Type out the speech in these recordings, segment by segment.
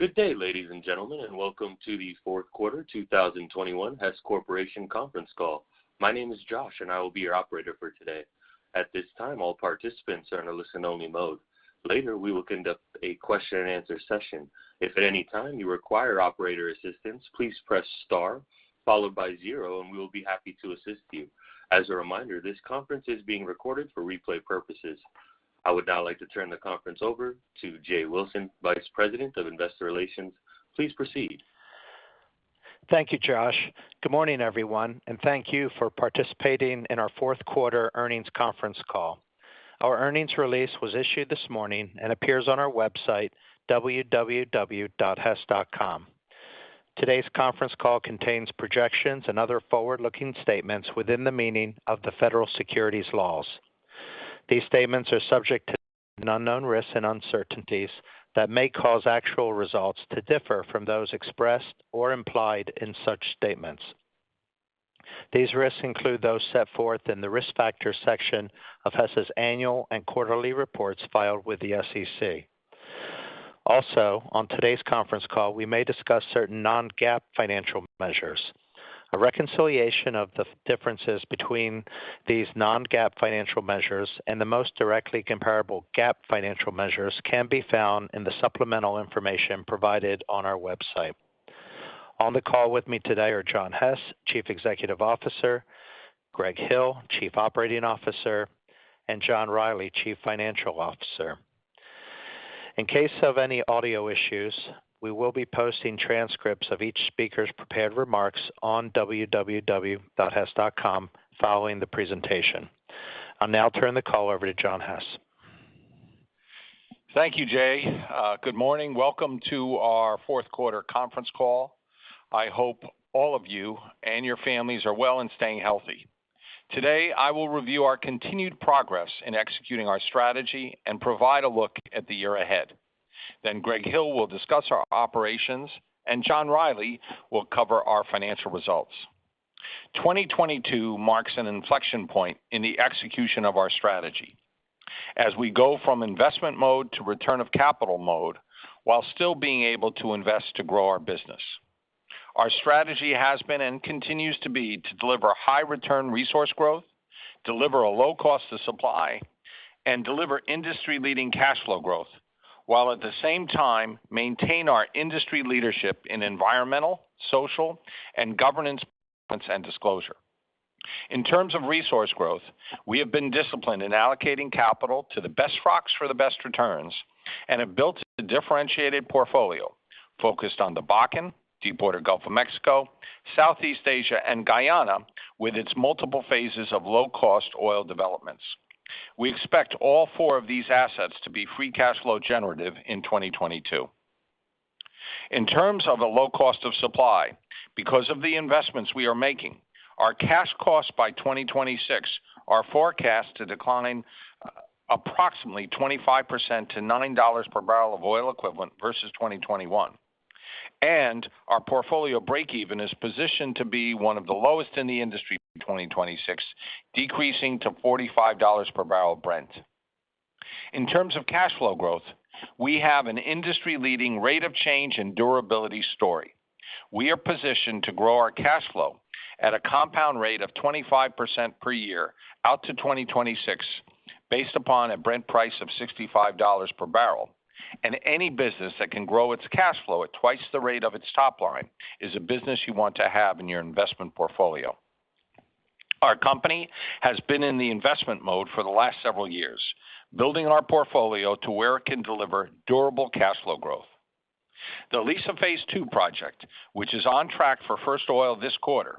Good day, ladies and gentlemen, and welcome to the fourth quarter 2021 Hess Corporation conference call. My name is Josh, and I will be your operator for today. At this time, all participants are in a listen-only mode. Later, we will conduct a question-and-answer session. If at any time you require operator assistance, please press star followed by zero, and we will be happy to assist you. As a reminder, this conference is being recorded for replay purposes. I would now like to turn the conference over to Jay Wilson, Vice President of Investor Relations. Please proceed. Thank you, Josh. Good morning, everyone, and thank you for participating in our fourth quarter earnings conference call. Our earnings release was issued this morning and appears on our website, www.hess.com. Today's conference call contains projections and other forward-looking statements within the meaning of the federal securities laws. These statements are subject to known and unknown risks and uncertainties that may cause actual results to differ from those expressed or implied in such statements. These risks include those set forth in the Risk Factors section of Hess's annual and quarterly reports filed with the SEC. Also, on today's conference call, we may discuss certain non-GAAP financial measures. A reconciliation of the differences between these non-GAAP financial measures and the most directly comparable GAAP financial measures can be found in the supplemental information provided on our website. On the call with me today are John Hess, Chief Executive Officer, Greg Hill, Chief Operating Officer, and John Rielly, Chief Financial Officer. In case of any audio issues, we will be posting transcripts of each speaker's prepared remarks on www.hess.com following the presentation. I'll now turn the call over to John Hess. Thank you, Jay. Good morning. Welcome to our fourth quarter conference call. I hope all of you and your families are well and staying healthy. Today, I will review our continued progress in executing our strategy and provide a look at the year ahead. Then Greg Hill will discuss our operations, and John Rielly will cover our financial results. 2022 marks an inflection point in the execution of our strategy as we go from investment mode to return of capital mode while still being able to invest to grow our business. Our strategy has been and continues to be to deliver high return resource growth, deliver a low cost of supply, and deliver industry-leading cash flow growth, while at the same time maintain our industry leadership in environmental, social, and governance performance and disclosure. In terms of resource growth, we have been disciplined in allocating capital to the best rocks for the best returns and have built a differentiated portfolio focused on the Bakken, Deepwater Gulf of Mexico, Southeast Asia, and Guyana with its multiple phases of low-cost oil developments. We expect all four of these assets to be free cash flow generative in 2022. In terms of the low cost of supply, because of the investments we are making, our cash costs by 2026 are forecast to decline approximately 25% to $9 per barrel of oil equivalent versus 2021. Our portfolio breakeven is positioned to be one of the lowest in the industry for 2026, decreasing to $45 per barrel of Brent. In terms of cash flow growth, we have an industry-leading rate of change and durability story. We are positioned to grow our cash flow at a compound rate of 25% per year out to 2026 based upon a Brent price of $65 per barrel. Any business that can grow its cash flow at twice the rate of its top line is a business you want to have in your investment portfolio. Our company has been in the investment mode for the last several years, building our portfolio to where it can deliver durable cash flow growth. The Liza Phase 2 project, which is on track for first oil this quarter,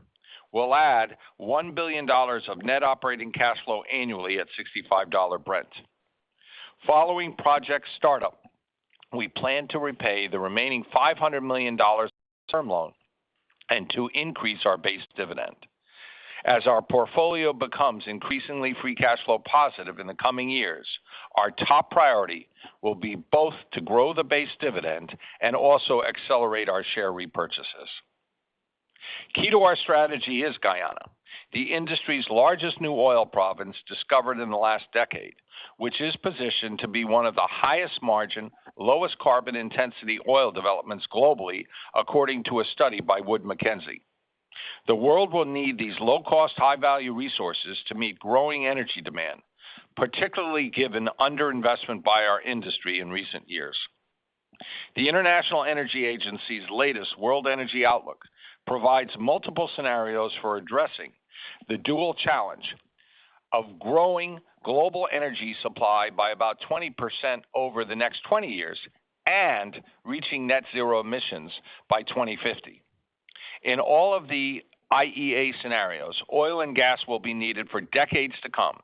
will add $1 billion of net operating cash flow annually at $65 Brent. Following project startup, we plan to repay the remaining $500 million term loan and to increase our base dividend. As our portfolio becomes increasingly free cash flow positive in the coming years, our top priority will be both to grow the base dividend and also accelerate our share repurchases. Key to our strategy is Guyana, the industry's largest new oil province discovered in the last decade, which is positioned to be one of the highest margin, lowest carbon intensity oil developments globally, according to a study by Wood Mackenzie. The world will need these low cost, high value resources to meet growing energy demand, particularly given under-investment by our industry in recent years. The International Energy Agency's latest World Energy Outlook provides multiple scenarios for addressing the dual challenge of growing global energy supply by about 20% over the next 20 years and reaching net zero emissions by 2050. In all of the IEA scenarios, oil and gas will be needed for decades to come,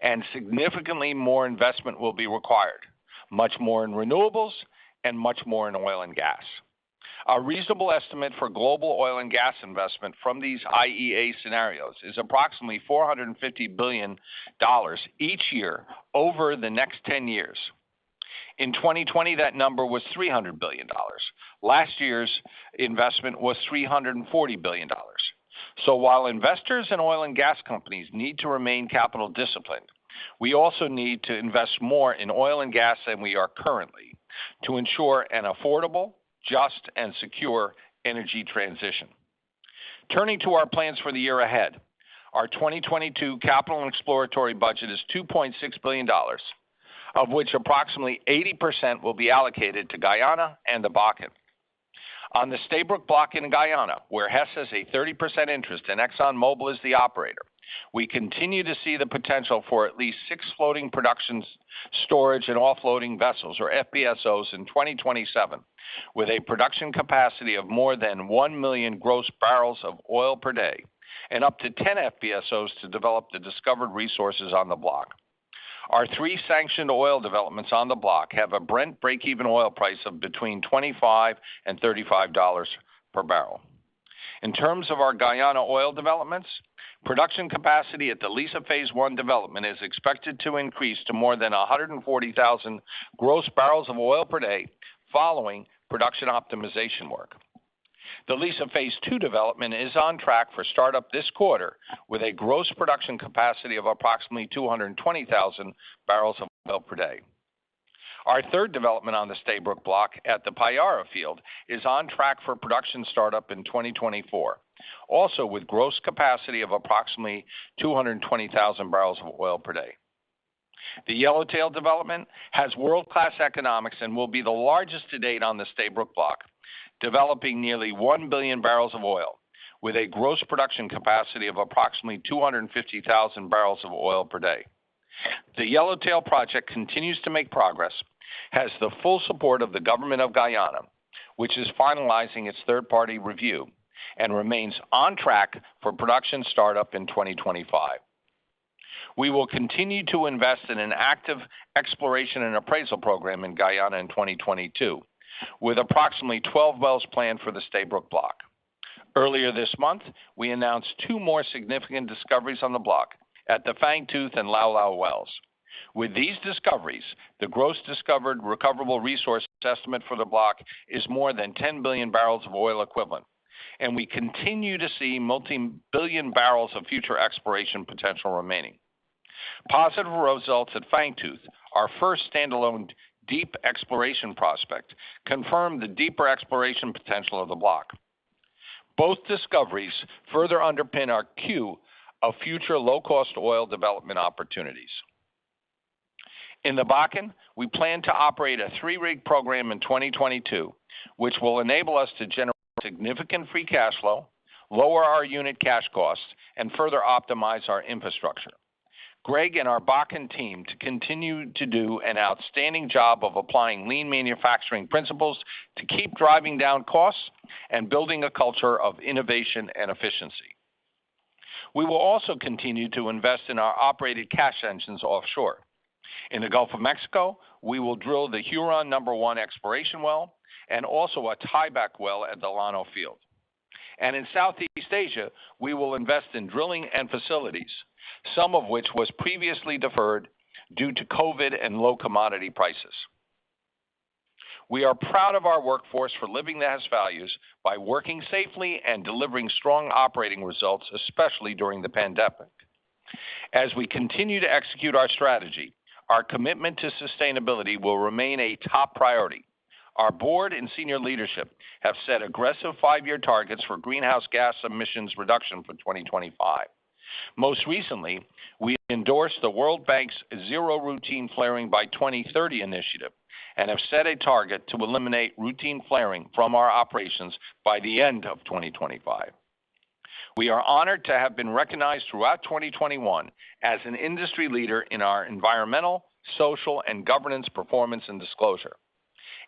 and significantly more investment will be required, much more in renewables and much more in oil and gas. A reasonable estimate for global oil and gas investment from these IEA scenarios is approximately $450 billion each year over the next 10 years. In 2020, that number was $300 billion. Last year's investment was $340 billion. While investors in oil and gas companies need to remain capital disciplined, we also need to invest more in oil and gas than we are currently to ensure an affordable, just, and secure energy transition. Turning to our plans for the year ahead. Our 2022 capital and exploratory budget is $2.6 billion, of which approximately 80% will be allocated to Guyana and the Bakken. On the Stabroek Block in Guyana, where Hess has a 30% interest and ExxonMobil is the operator, we continue to see the potential for at least six floating production storage and offloading vessels, or FPSOs, in 2027, with a production capacity of more than 1 million gross barrels of oil per day and up to 10 FPSOs to develop the discovered resources on the block. Our three sanctioned oil developments on the block have a Brent breakeven oil price of between $25 and $35 per barrel. In terms of our Guyana oil developments, production capacity at the Liza Phase One development is expected to increase to more than 140,000 gross barrels of oil per day following production optimization work. The Liza Phase Two development is on track for startup this quarter with a gross production capacity of approximately 220,000 barrels of oil per day. Our third development on the Stabroek Block at the Payara field is on track for production startup in 2024, also with gross capacity of approximately 220,000 barrels of oil per day. The Yellowtail development has world-class economics and will be the largest to date on the Stabroek Block, developing nearly 1 billion barrels of oil with a gross production capacity of approximately 250,000 barrels of oil per day. The Yellowtail project continues to make progress, has the full support of the government of Guyana, which is finalizing its third-party review and remains on track for production startup in 2025. We will continue to invest in an active exploration and appraisal program in Guyana in 2022 with approximately 12 wells planned for the Stabroek Block. Earlier this month, we announced two more significant discoveries on the block at the Fangtooth and Lau Lau wells. With these discoveries, the gross discovered recoverable resource estimate for the block is more than 10 billion barrels of oil equivalent, and we continue to see multi-billion barrels of future exploration potential remaining. Positive results at Fangtooth, our first stand-alone deep exploration prospect, confirm the deeper exploration potential of the block. Both discoveries further underpin our queue of future low-cost oil development opportunities. In the Bakken, we plan to operate a three-rig program in 2022, which will enable us to generate significant free cash flow, lower our unit cash costs, and further optimize our infrastructure. Greg and our Bakken team continue to do an outstanding job of applying lean manufacturing principles to keep driving down costs and building a culture of innovation and efficiency. We will also continue to invest in our operated cash engines offshore. In the Gulf of Mexico, we will drill the Huron No. 1 exploration well and also a tieback well at the Llano field. In Southeast Asia, we will invest in drilling and facilities, some of which was previously deferred due to COVID and low commodity prices. We are proud of our workforce for living the Hess values by working safely and delivering strong operating results, especially during the pandemic. As we continue to execute our strategy, our commitment to sustainability will remain a top priority. Our board and senior leadership have set aggressive five-year targets for greenhouse gas emissions reduction for 2025. Most recently, we endorsed the World Bank's Zero Routine Flaring by 2030 initiative and have set a target to eliminate routine flaring from our operations by the end of 2025. We are honored to have been recognized throughout 2021 as an industry leader in our environmental, social, and governance performance and disclosure.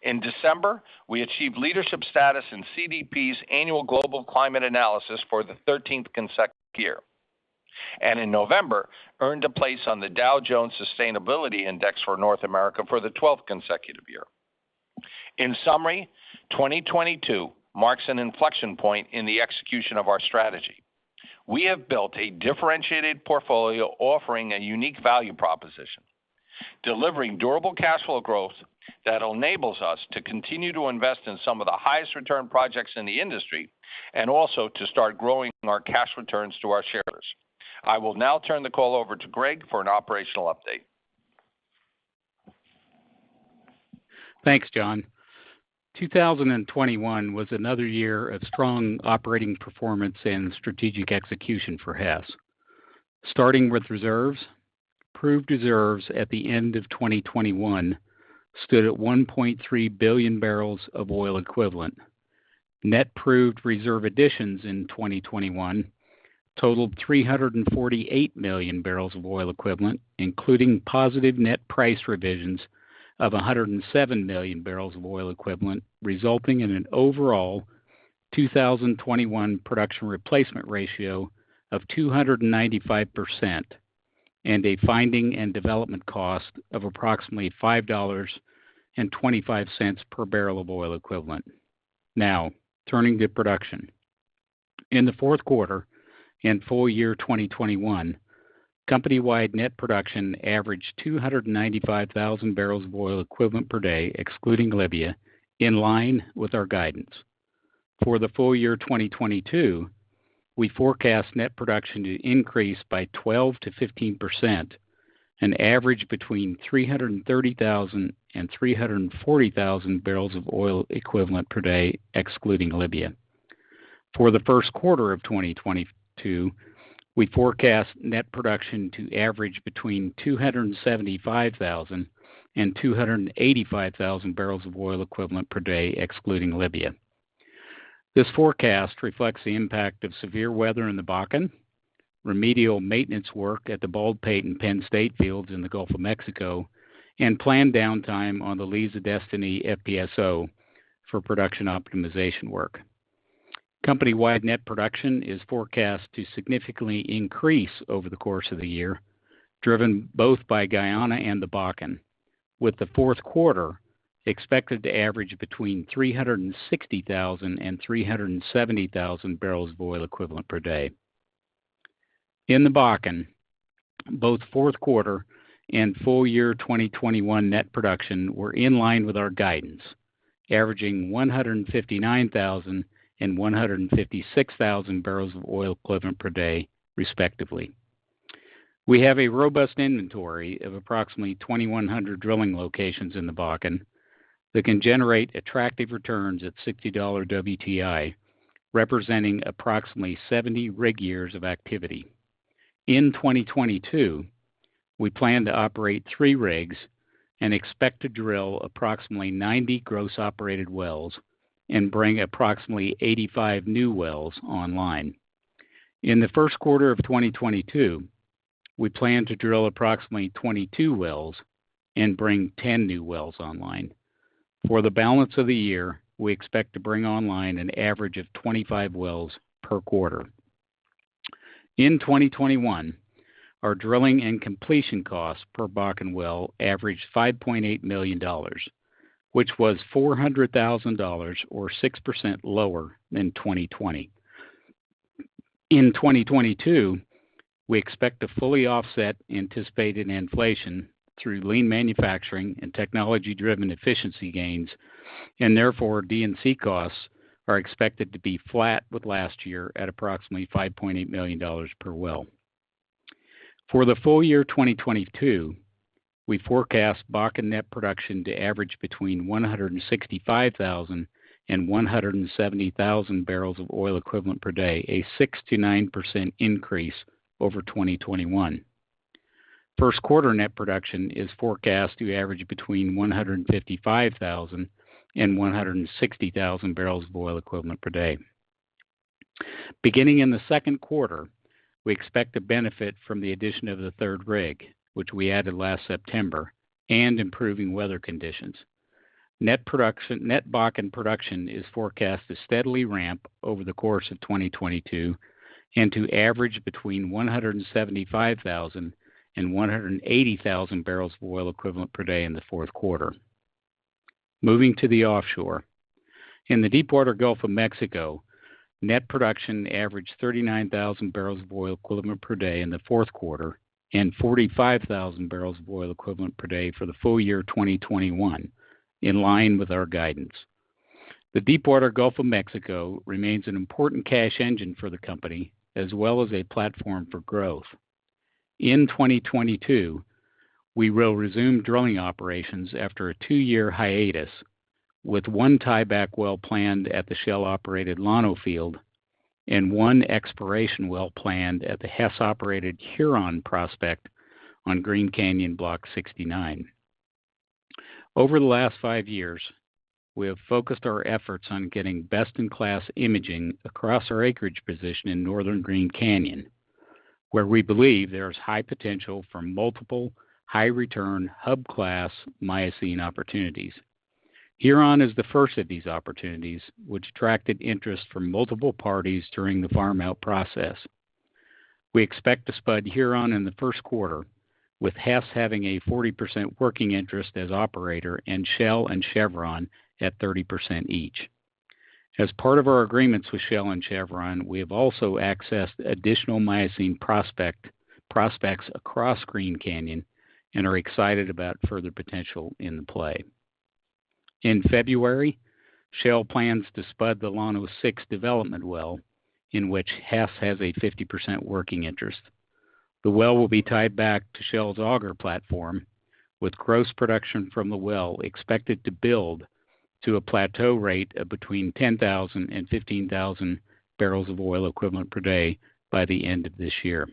In December, we achieved leadership status in CDP's annual global climate analysis for the 13th consecutive year, and in November, earned a place on the Dow Jones Sustainability Index for North America for the 12th consecutive year. In summary, 2022 marks an inflection point in the execution of our strategy. We have built a differentiated portfolio offering a unique value proposition, delivering durable cash flow growth that enables us to continue to invest in some of the highest return projects in the industry and also to start growing our cash returns to our shareholders. I will now turn the call over to Greg for an operational update. Thanks, John. 2021 was another year of strong operating performance and strategic execution for Hess. Starting with reserves. Proved reserves at the end of 2021 stood at 1.3 billion barrels of oil equivalent. Net proved reserve additions in 2021 totaled 348 million barrels of oil equivalent, including positive net price revisions of 107 million barrels of oil equivalent, resulting in an overall 2021 production replacement ratio of 295% and a finding and development cost of approximately $5.25 per barrel of oil equivalent. Now, turning to production. In the fourth quarter and full year 2021, company-wide net production averaged 295,000 barrels of oil equivalent per day, excluding Libya, in line with our guidance. For the full year 2022, we forecast net production to increase by 12%-15%, an average between 330,000 and 340,000 barrels of oil equivalent per day, excluding Libya. For the first quarter of 2022, we forecast net production to average between 275,000 and 285,000 barrels of oil equivalent per day, excluding Libya. This forecast reflects the impact of severe weather in the Bakken, remedial maintenance work at the Baldpate and Penn State fields in the Gulf of Mexico, and planned downtime on the Liza Destiny FPSO for production optimization work. Company-wide net production is forecast to significantly increase over the course of the year, driven both by Guyana and the Bakken, with the fourth quarter expected to average between 360,000 and 370,000 barrels of oil equivalent per day. In the Bakken, both fourth quarter and full year 2021 net production were in line with our guidance, averaging 159,000 and 156,000 barrels of oil equivalent per day, respectively. We have a robust inventory of approximately 2,100 drilling locations in the Bakken that can generate attractive returns at $60 WTI, representing approximately 70 rig years of activity. In 2022, we plan to operate three rigs and expect to drill approximately 90 gross operated wells and bring approximately 85 new wells online. In the first quarter of 2022, we plan to drill approximately 22 wells and bring 10 new wells online. For the balance of the year, we expect to bring online an average of 25 wells per quarter. In 2021, our drilling and completion costs per Bakken well averaged $5.8 million, which was $400,000 or 6% lower than 2020. In 2022, we expect to fully offset anticipated inflation through lean manufacturing and technology-driven efficiency gains, and therefore D&C costs are expected to be flat with last year at approximately $5.8 million per well. For the full year 2022, we forecast Bakken net production to average between 165,000 and 170,000 barrels of oil equivalent per day, a 6%-9% increase over 2021. First quarter net production is forecast to average between 155,000 and 160,000 barrels of oil equivalent per day. Beginning in the second quarter, we expect to benefit from the addition of the third rig, which we added last September, and improving weather conditions. Net production, net Bakken production is forecast to steadily ramp over the course of 2022 and to average between 175,000 and 180,000 barrels of oil equivalent per day in the fourth quarter. Moving to the offshore. In the Deepwater Gulf of Mexico, net production averaged 39,000 barrels of oil equivalent per day in the fourth quarter and 45,000 barrels of oil equivalent per day for the full year 2021, in line with our guidance. The Deepwater Gulf of Mexico remains an important cash engine for the company as well as a platform for growth. In 2022, we will resume drilling operations after a two-year hiatus, with one tieback well planned at the Shell-operated Llano field and one exploration well planned at the Hess-operated Huron prospect on Green Canyon Block 69. Over the last five years, we have focused our efforts on getting best-in-class imaging across our acreage position in Northern Green Canyon, where we believe there is high potential for multiple high-return hub-class Miocene opportunities. Huron is the first of these opportunities, which attracted interest from multiple parties during the farm-out process. We expect to spud Huron in the first quarter, with Hess having a 40% working interest as operator and Shell and Chevron at 30% each. As part of our agreements with Shell and Chevron, we have also accessed additional Miocene prospect, prospects across Green Canyon and are excited about further potential in the play. In February, Shell plans to spud the Llano six development well, in which Hess has a 50% working interest. The well will be tied back to Shell's Auger platform, with gross production from the well expected to build to a plateau rate of between 10,000 and 15,000 barrels of oil equivalent per day by the end of this year.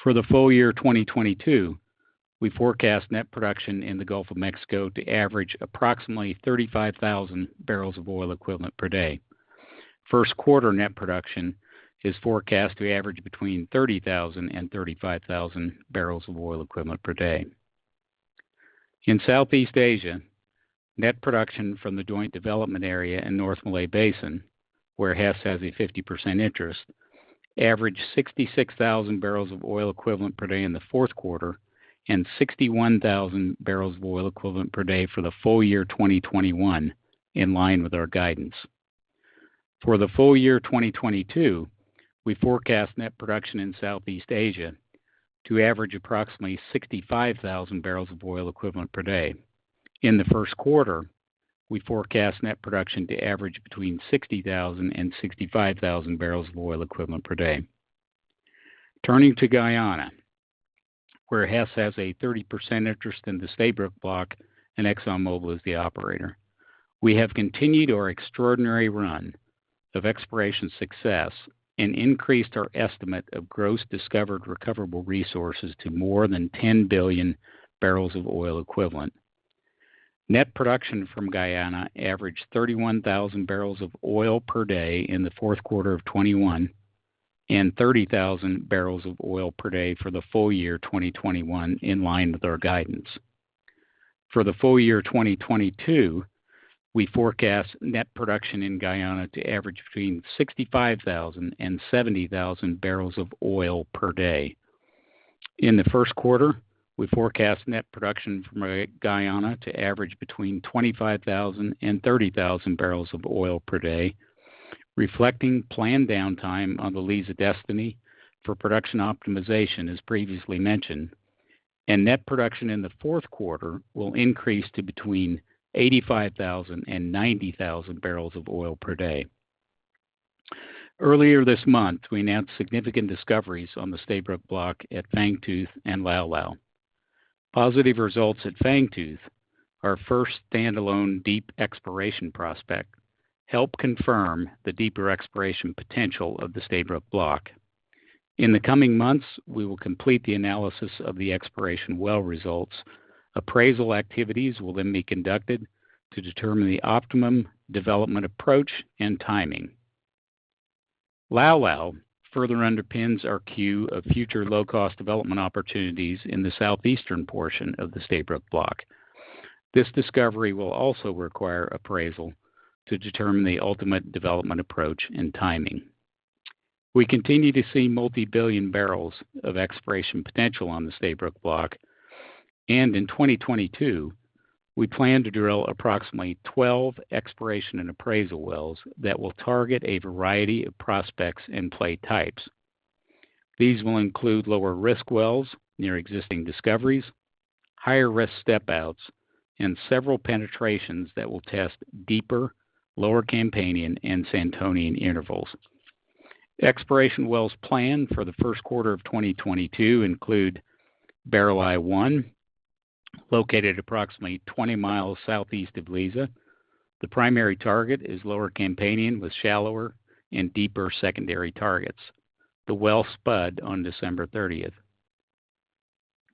For the full year 2022, we forecast net production in the Gulf of Mexico to average approximately 35,000 barrels of oil equivalent per day. First quarter net production is forecast to average between 30,000 and 35,000 barrels of oil equivalent per day. In Southeast Asia, net production from the joint development area in North Malay Basin, where Hess has a 50% interest, averaged 66,000 barrels of oil equivalent per day in the fourth quarter and 61,000 barrels of oil equivalent per day for the full year 2021, in line with our guidance. For the full year 2022, we forecast net production in Southeast Asia to average approximately 65,000 barrels of oil equivalent per day. In the first quarter, we forecast net production to average between 60,000 and 65,000 barrels of oil equivalent per day. Turning to Guyana, where Hess has a 30% interest in the Stabroek Block and ExxonMobil is the operator. We have continued our extraordinary run of exploration success and increased our estimate of gross discovered recoverable resources to more than 10 billion barrels of oil equivalent. Net production from Guyana averaged 31,000 barrels of oil per day in the fourth quarter of 2021 and 30,000 barrels of oil per day for the full year 2021, in line with our guidance. For the full year 2022, we forecast net production in Guyana to average between 65,000 and 70,000 barrels of oil per day. In the first quarter, we forecast net production from Guyana to average between 25,000 and 30,000 barrels of oil per day, reflecting planned downtime on the Liza Destiny for production optimization, as previously mentioned, and net production in the fourth quarter will increase to between 85,000 and 90,000 barrels of oil per day. Earlier this month, we announced significant discoveries on the Stabroek Block at Fangtooth and Lau Lau. Positive results at Fangtooth, our first standalone deep exploration prospect, help confirm the deeper exploration potential of the Stabroek Block. In the coming months, we will complete the analysis of the exploration well results. Appraisal activities will then be conducted to determine the optimum development approach and timing. Lau Lau further underpins our queue of future low-cost development opportunities in the southeastern portion of the Stabroek Block. This discovery will also require appraisal to determine the ultimate development approach and timing. We continue to see multi-billion barrels of exploration potential on the Stabroek Block, and in 2022 we plan to drill approximately 12 exploration and appraisal wells that will target a variety of prospects and play types. These will include lower risk wells near existing discoveries, higher risk step outs, and several penetrations that will test deeper Lower Campanian and Santonian intervals. Exploration wells planned for the first quarter of 2022 include Barreleye-1, located approximately 20 miles southeast of Liza. The primary target is Lower Campanian with shallower and deeper secondary targets. The well spud on December 30.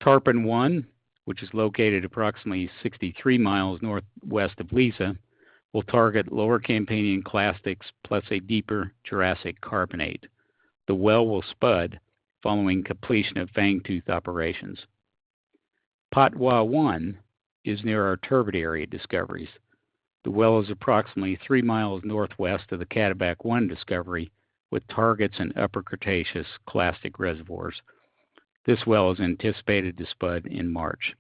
Tarpon-1, which is located approximately 63 miles northwest of Liza, will target Lower Campanian clastics plus a deeper Jurassic carbonate. The well will spud following completion of Fangtooth operations. Patwa-1 is near our Turbot area discoveries. The well is approximately 3 miles northwest of the Cataback-1 discovery with targets in Upper Cretaceous clastic reservoirs. This well is anticipated to spud in March.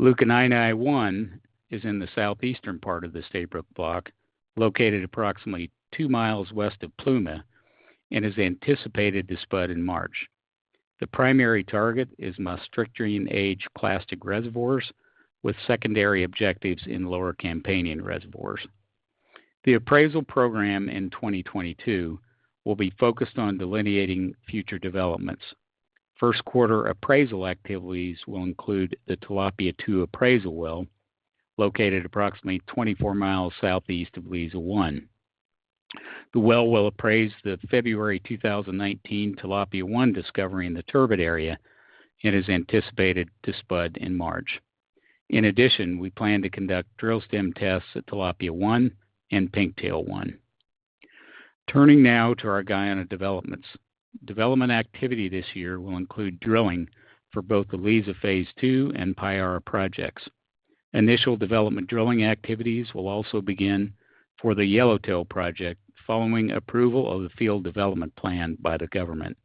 Lukanani-1 is in the southeastern part of the Stabroek Block, located approximately 2 miles west of Pluma and is anticipated to spud in March. The primary target is Maastrichtian age clastic reservoirs with secondary objectives in Lower Campanian reservoirs. The appraisal program in 2022 will be focused on delineating future developments. First quarter appraisal activities will include the Tilapia-2 appraisal well, located approximately 24 miles southeast of Liza One. The well will appraise the February 2019 Tilapia-1 discovery in the Turbot area and is anticipated to spud in March. In addition, we plan to conduct drill stem tests at Tilapia-1 and Pinktail-1. Turning now to our Guyana developments. Development activity this year will include drilling for both the Liza Phase 2 and Payara projects. Initial development drilling activities will also begin for the Yellowtail project following approval of the field development plan by the government.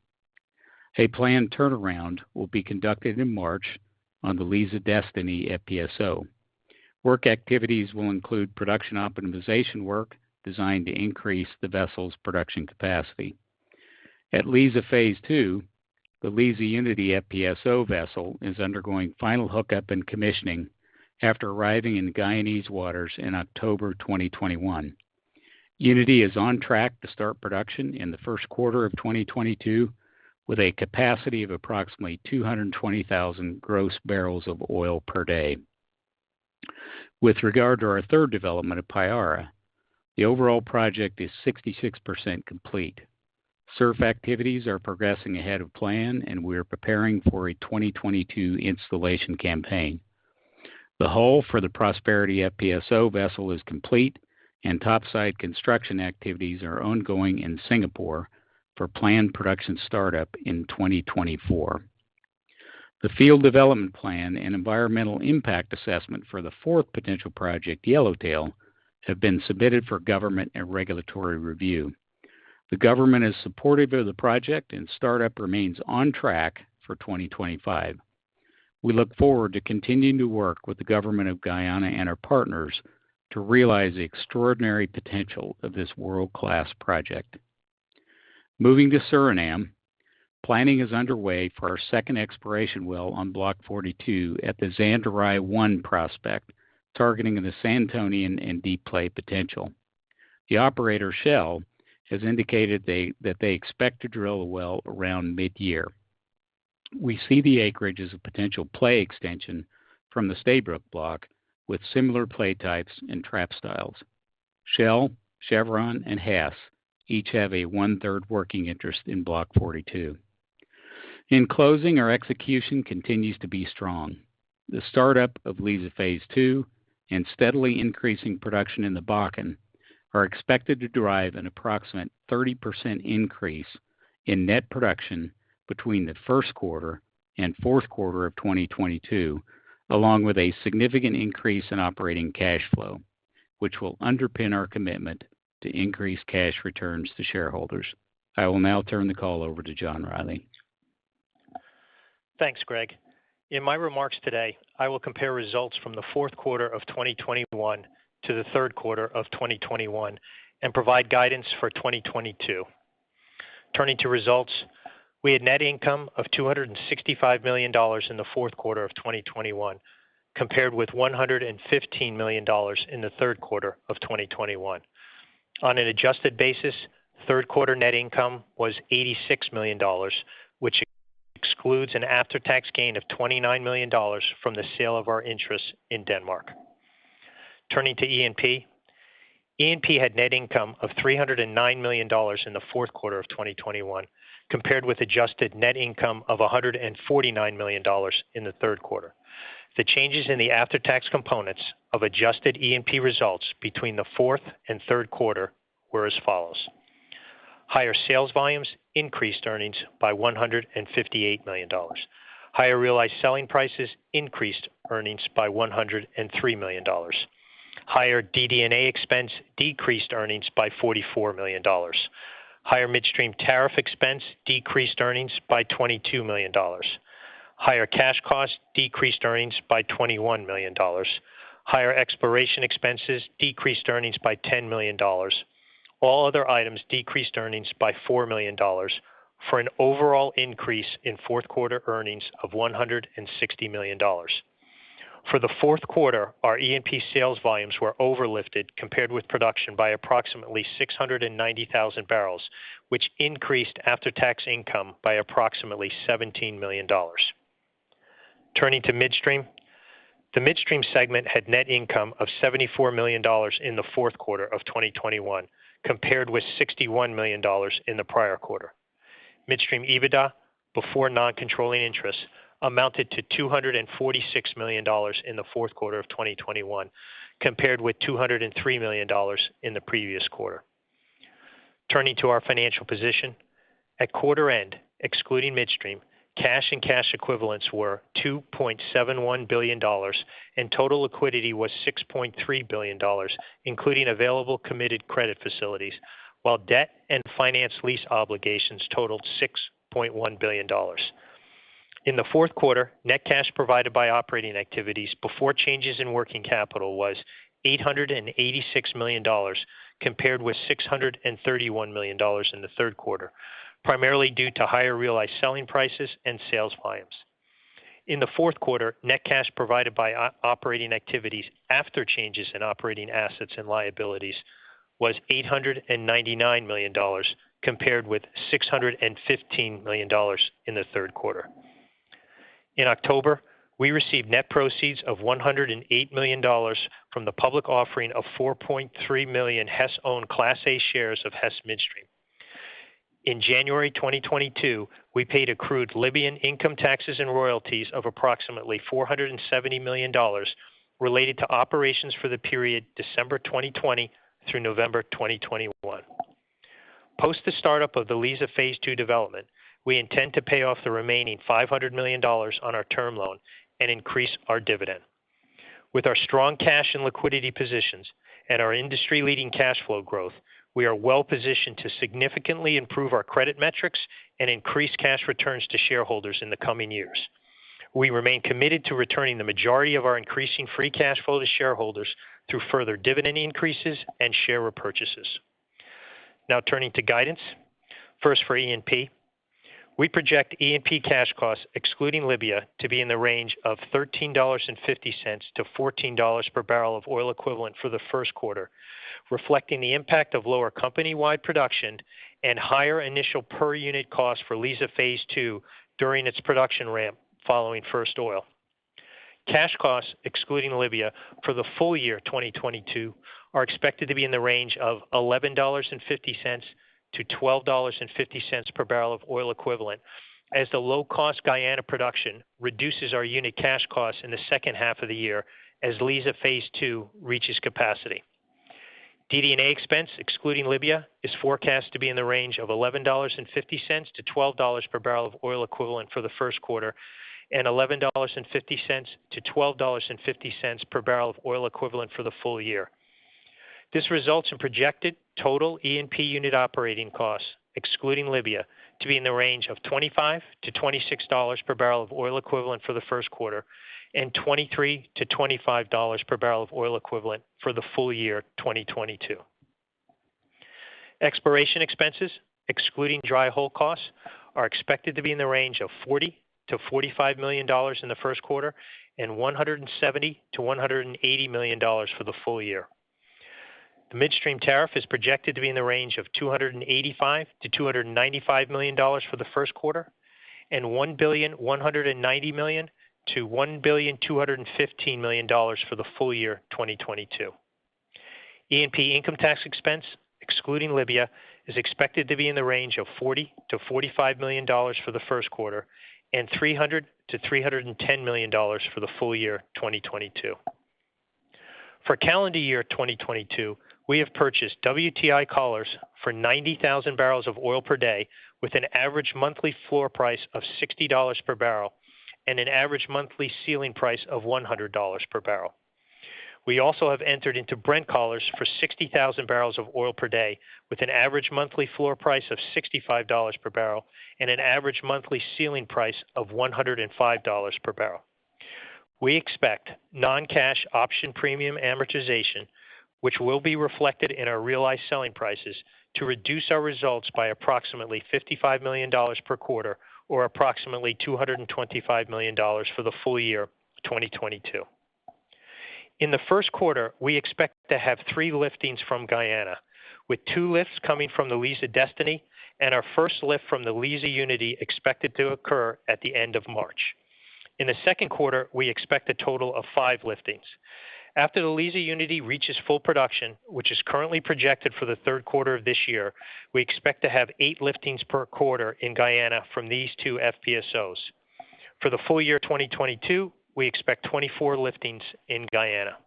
A planned turnaround will be conducted in March on the Liza Destiny FPSO. Work activities will include production optimization work designed to increase the vessel's production capacity. At Liza Phase 2, the Liza Unity FPSO vessel is undergoing final hookup and commissioning after arriving in Guyanese waters in October 2021. Unity is on track to start production in the first quarter of 2022 with a capacity of approximately 220,000 gross barrels of oil per day. With regard to our third development of Payara, the overall project is 66% complete. SURF activities are progressing ahead of plan and we are preparing for a 2022 installation campaign. The hull for the Prosperity FPSO vessel is complete and topside construction activities are ongoing in Singapore for planned production startup in 2024. The field development plan and environmental impact assessment for the fourth potential project, Yellowtail, have been submitted for government and regulatory review. The government is supportive of the project and startup remains on track for 2025. We look forward to continuing to work with the government of Guyana and our partners to realize the extraordinary potential of this world-class project. Moving to Suriname, planning is underway for our second exploration well on Block 42 at the Zanderij-1 prospect, targeting in the Santonian and deep play potential. The operator, Shell, has indicated they expect to drill a well around mid-year. We see the acreage as a potential play extension from the Stabroek Block, with similar play types and trap styles. Shell, Chevron, and Hess each have a one-third working interest in Block 42. In closing, our execution continues to be strong. The startup of Liza Phase 2 and steadily increasing production in the Bakken are expected to drive an approximate 30% increase in net production between the first quarter and fourth quarter of 2022, along with a significant increase in operating cash flow, which will underpin our commitment to increase cash returns to shareholders. I will now turn the call over to John Rielly. Thanks, Greg. In my remarks today, I will compare results from the fourth quarter of 2021 to the third quarter of 2021 and provide guidance for 2022. Turning to results, we had net income of $265 million in the fourth quarter of 2021, compared with $115 million in the third quarter of 2021. On an adjusted basis, third quarter net income was $86 million, which excludes an after-tax gain of $29 million from the sale of our interest in Denmark. Turning to E&P. E&P had net income of $309 million in the fourth quarter of 2021, compared with adjusted net income of $149 million in the third quarter. The changes in the after-tax components of adjusted E&P results between the fourth and third quarter were as follows: Higher sales volumes increased earnings by $158 million. Higher realized selling prices increased earnings by $103 million. Higher DD&A expense decreased earnings by $44 million. Higher midstream tariff expense decreased earnings by $22 million. Higher cash costs decreased earnings by $21 million. Higher exploration expenses decreased earnings by $10 million. All other items decreased earnings by $4 million for an overall increase in fourth quarter earnings of $160 million. For the fourth quarter, our E&P sales volumes were overlifted compared with production by approximately 690,000 barrels, which increased after-tax income by approximately $17 million. Turning to midstream. The midstream segment had net income of $74 million in the fourth quarter of 2021, compared with $61 million in the prior quarter. Midstream EBITDA before non-controlling interest amounted to $246 million in the fourth quarter of 2021, compared with $203 million in the previous quarter. Turning to our financial position. At quarter end, excluding midstream, cash and cash equivalents were $2.71 billion, and total liquidity was $6.3 billion, including available committed credit facilities, while debt and finance lease obligations totaled $6.1 billion. In the fourth quarter, net cash provided by operating activities before changes in working capital was $886 million, compared with $631 million in the third quarter, primarily due to higher realized selling prices and sales volumes. In the fourth quarter, net cash provided by operating activities after changes in operating assets and liabilities was $899 million, compared with $615 million in the third quarter. In October, we received net proceeds of $108 million from the public offering of 4.3 million Hess-owned Class A shares of Hess Midstream. In January 2022, we paid accrued Libyan income taxes and royalties of approximately $470 million related to operations for the period December 2020 through November 2021. Post the start-up of the Liza Phase 2 development, we intend to pay off the remaining $500 million on our term loan and increase our dividend. With our strong cash and liquidity positions and our industry-leading cash flow growth, we are well positioned to significantly improve our credit metrics and increase cash returns to shareholders in the coming years. We remain committed to returning the majority of our increasing free cash flow to shareholders through further dividend increases and share repurchases. Now turning to guidance. First, for E&P, we project E&P cash costs, excluding Libya, to be in the range of $13.50-$14 per barrel of oil equivalent for the first quarter, reflecting the impact of lower company-wide production and higher initial per-unit cost for Liza Phase 2 during its production ramp following first oil. Cash costs, excluding Libya, for the full year 2022 are expected to be in the range of $11.50-$12.50 per barrel of oil equivalent, as the low-cost Guyana production reduces our unit cash costs in the second half of the year as Liza Phase 2 reaches capacity. DD&A expense, excluding Libya, is forecast to be in the range of $11.50-$12 per barrel of oil equivalent for the first quarter and $11.50-$12.50 per barrel of oil equivalent for the full year. This results in projected total E&P unit operating costs, excluding Libya, to be in the range of $25-$26 per barrel of oil equivalent for the first quarter and $23-$25 per barrel of oil equivalent for the full year 2022. Exploration expenses, excluding dry hole costs, are expected to be in the range of $40 million-$45 million in the first quarter and $170 million-$180 million for the full year. The midstream tariff is projected to be in the range of $285 million-$295 million for the first quarter and $1.19 billion-$1.215 billion for the full year 2022. E&P income tax expense, excluding Libya, is expected to be in the range of $40 million-$45 million for the first quarter and $300 million-$310 million for the full year 2022. For calendar year 2022, we have purchased WTI collars for 90,000 barrels of oil per day with an average monthly floor price of $60 per barrel and an average monthly ceiling price of $100 per barrel. We also have entered into Brent collars for 60,000 barrels of oil per day with an average monthly floor price of $65 per barrel and an average monthly ceiling price of $105 per barrel. We expect non-cash option premium amortization, which will be reflected in our realized selling prices, to reduce our results by approximately $55 million per quarter or approximately $225 million for the full year 2022. In the first quarter, we expect to have three liftings from Guyana, with two lifts coming from the Liza Destiny and our first lift from the Liza Unity expected to occur at the end of March. In the second quarter, we expect a total of five liftings. After the Liza Unity reaches full production, which is currently projected for the third quarter of this year, we expect to have 8 liftings per quarter in Guyana from these two FPSOs. For the full year 2022, we expect 24 liftings in Guyana.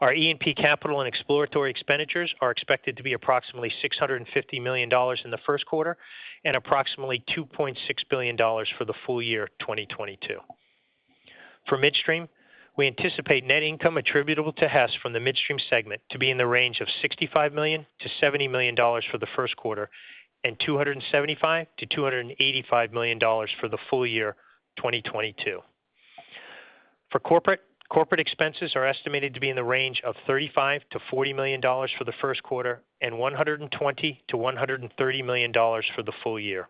Our E&P capital and exploratory expenditures are expected to be approximately $650 million in the first quarter and approximately $2.6 billion for the full year 2022. For midstream, we anticipate net income attributable to Hess from the midstream segment to be in the range of $65 million-$70 million for the first quarter and $275 million-$285 million for the full year 2022. Corporate expenses are estimated to be in the range of $35 million-$40 million for the first quarter and $120 million-$130 million for the full year.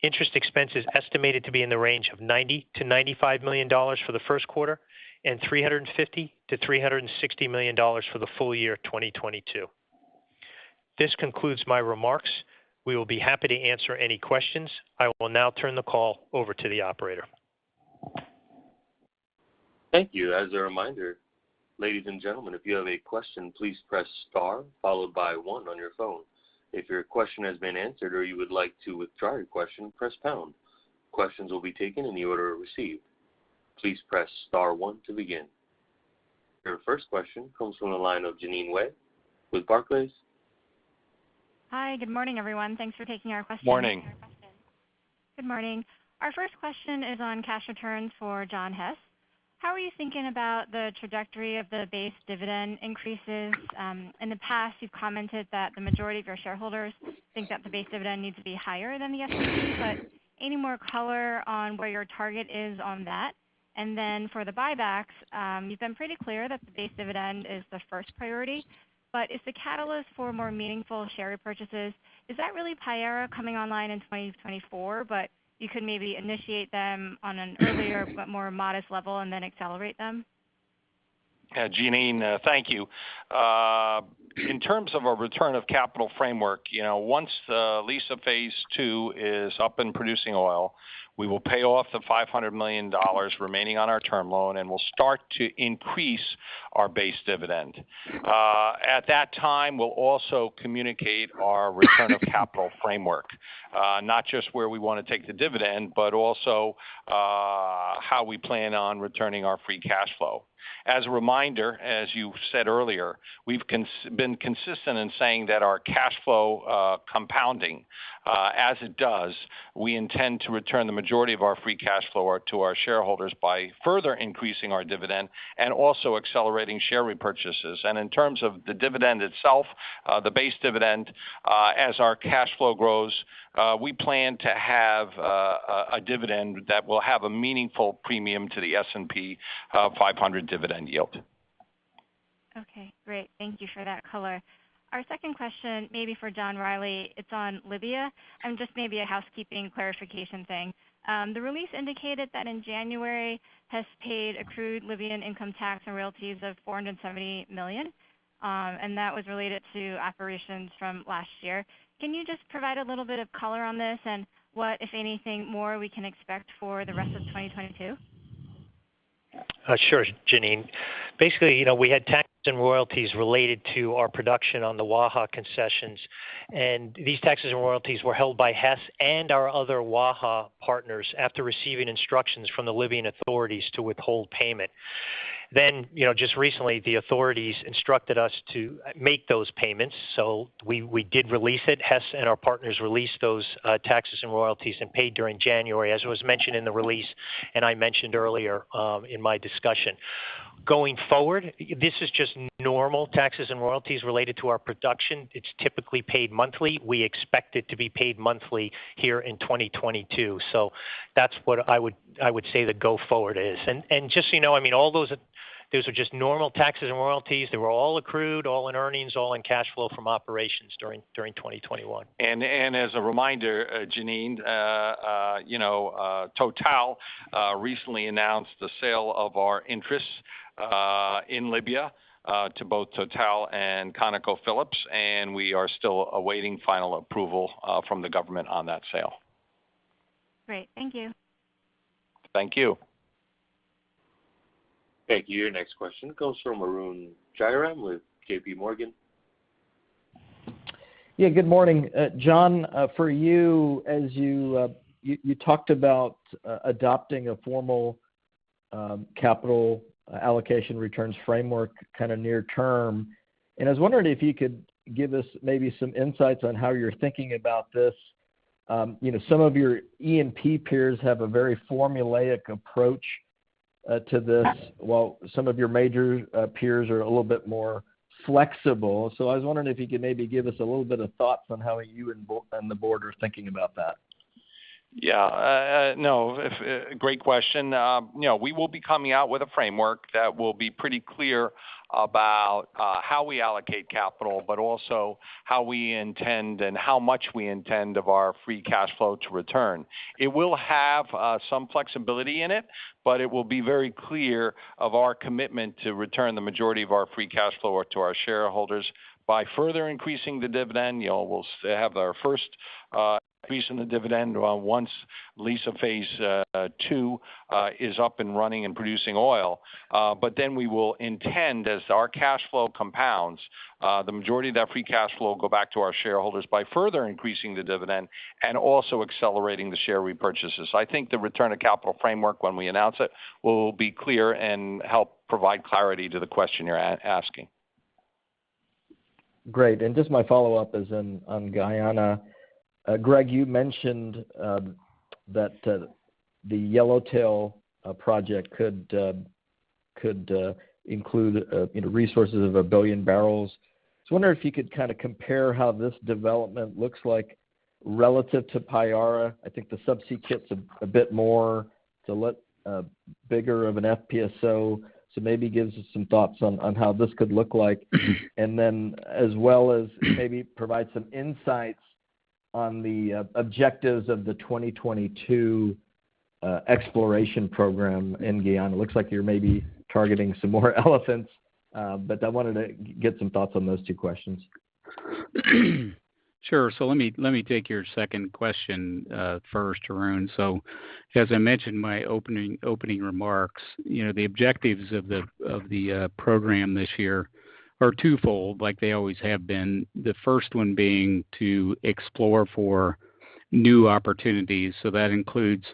Interest expense is estimated to be in the range of $90 million-$95 million for the first quarter and $350 million-$360 million for the full year 2022. This concludes my remarks. We will be happy to answer any questions. I will now turn the call over to the operator. Thank you. As a reminder, ladies and gentlemen, if you have a question, please press star followed by one on your phone. If your question has been answered or you would like to withdraw your question, press pound. Questions will be taken in the order received. Please press star one to begin. Your first question comes from the line of Jeanine Wai with Barclays. Hi. Good morning, everyone. Thanks for taking our question. Morning. Good morning. Our first question is on cash returns for John Hess. How are you thinking about the trajectory of the base dividend increases? In the past, you've commented that the majority of your shareholders think that the base dividend needs to be higher than the S&P 500, but any more color on where your target is on that? For the buybacks, you've been pretty clear that the base dividend is the first priority. Is the catalyst for more meaningful share repurchases that really Payara coming online in 2024, but you could maybe initiate them on an earlier but more modest level and then accelerate them? Yeah. Jeanine, thank you. In terms of our return of capital framework, you know, once the Liza Phase 2 is up and producing oil, we will pay off the $500 million remaining on our term loan, and we'll start to increase our base dividend. At that time, we'll also communicate our return of capital framework, not just where we wanna take the dividend, but also how we plan on returning our free cash flow. As a reminder, as you said earlier, we've been consistent in saying that our cash flow compounding, as it does, we intend to return the majority of our free cash flow to our shareholders by further increasing our dividend and also accelerating share repurchases. In terms of the dividend itself, the base dividend, as our cash flow grows, we plan to have a dividend that will have a meaningful premium to the S&P 500 dividend yield. Okay, great. Thank you for that color. Our second question may be for John Rielly. It's on Libya and just maybe a housekeeping clarification thing. The release indicated that in January, Hess paid accrued Libyan income tax and royalties of $470 million, and that was related to operations from last year. Can you just provide a little bit of color on this and what, if anything, more we can expect for the rest of 2022? Sure, Jeanine. Basically, you know, we had taxes and royalties related to our production on the Waha concessions, and these taxes and royalties were held by Hess and our other Waha partners after receiving instructions from the Libyan authorities to withhold payment. You know, just recently, the authorities instructed us to make those payments, so we did release it. Hess and our partners released those taxes and royalties and paid during January, as was mentioned in the release and I mentioned earlier in my discussion. Going forward, this is just normal taxes and royalties related to our production. It's typically paid monthly. We expect it to be paid monthly here in 2022. That's what I would say the go forward is. Just so you know, I mean, all those are just normal taxes and royalties. They were all accrued, all in earnings, all in cash flow from operations during 2021. As a reminder, Jeanine, you know, we recently announced the sale of our interests in Libya to both TotalEnergies and ConocoPhillips, and we are still awaiting final approval from the government on that sale. Great. Thank you. Thank you. Thank you. Your next question comes from Arun Jayaram with J.P. Morgan. Yeah, good morning. John, for you, as you talked about adopting a formal capital allocation returns framework kind of near term. I was wondering if you could give us maybe some insights on how you're thinking about this. You know, some of your E&P peers have a very formulaic approach to this, while some of your major peers are a little bit more flexible. I was wondering if you could maybe give us a little bit of thoughts on how you and the board are thinking about that. No, great question. You know, we will be coming out with a framework that will be pretty clear about how we allocate capital, but also how we intend and how much we intend of our free cash flow to return. It will have some flexibility in it, but it will be very clear of our commitment to return the majority of our free cash flow to our shareholders by further increasing the dividend. You know, we'll have our first increase in the dividend once Liza Phase 2 is up and running and producing oil. We will intend, as our cash flow compounds, the majority of that free cash flow will go back to our shareholders by further increasing the dividend and also accelerating the share repurchases. I think the return of capital framework, when we announce it, will be clear and help provide clarity to the question you're asking. Great. Just my follow-up is on Guyana. Greg, you mentioned that the Yellowtail project could include you know resources of 1 billion barrels. I wonder if you could kind of compare how this development looks like relative to Payara. I think the subsea kit's a bit bigger of an FPSO, so maybe give us some thoughts on how this could look like. Then as well as maybe provide some insights on the objectives of the 2022 exploration program in Guyana. It looks like you're maybe targeting some more elephants, but I wanted to get some thoughts on those two questions. Sure. Let me take your second question first, Arun. As I mentioned in my opening remarks, you know, the objectives of the program this year are twofold, like they always have been. The first one being to explore for new opportunities. That includes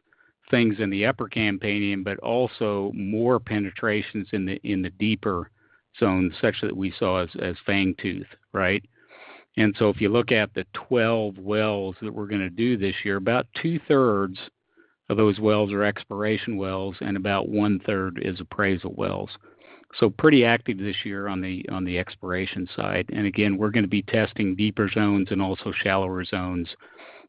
things in the Upper Campanian, but also more penetrations in the deeper zone, such that we saw as Fangtooth, right? If you look at the 12 wells that we're gonna do this year, about two-thirds of those wells are exploration wells, and about one-third is appraisal wells. Pretty active this year on the exploration side. Again, we're gonna be testing deeper zones and also shallower zones,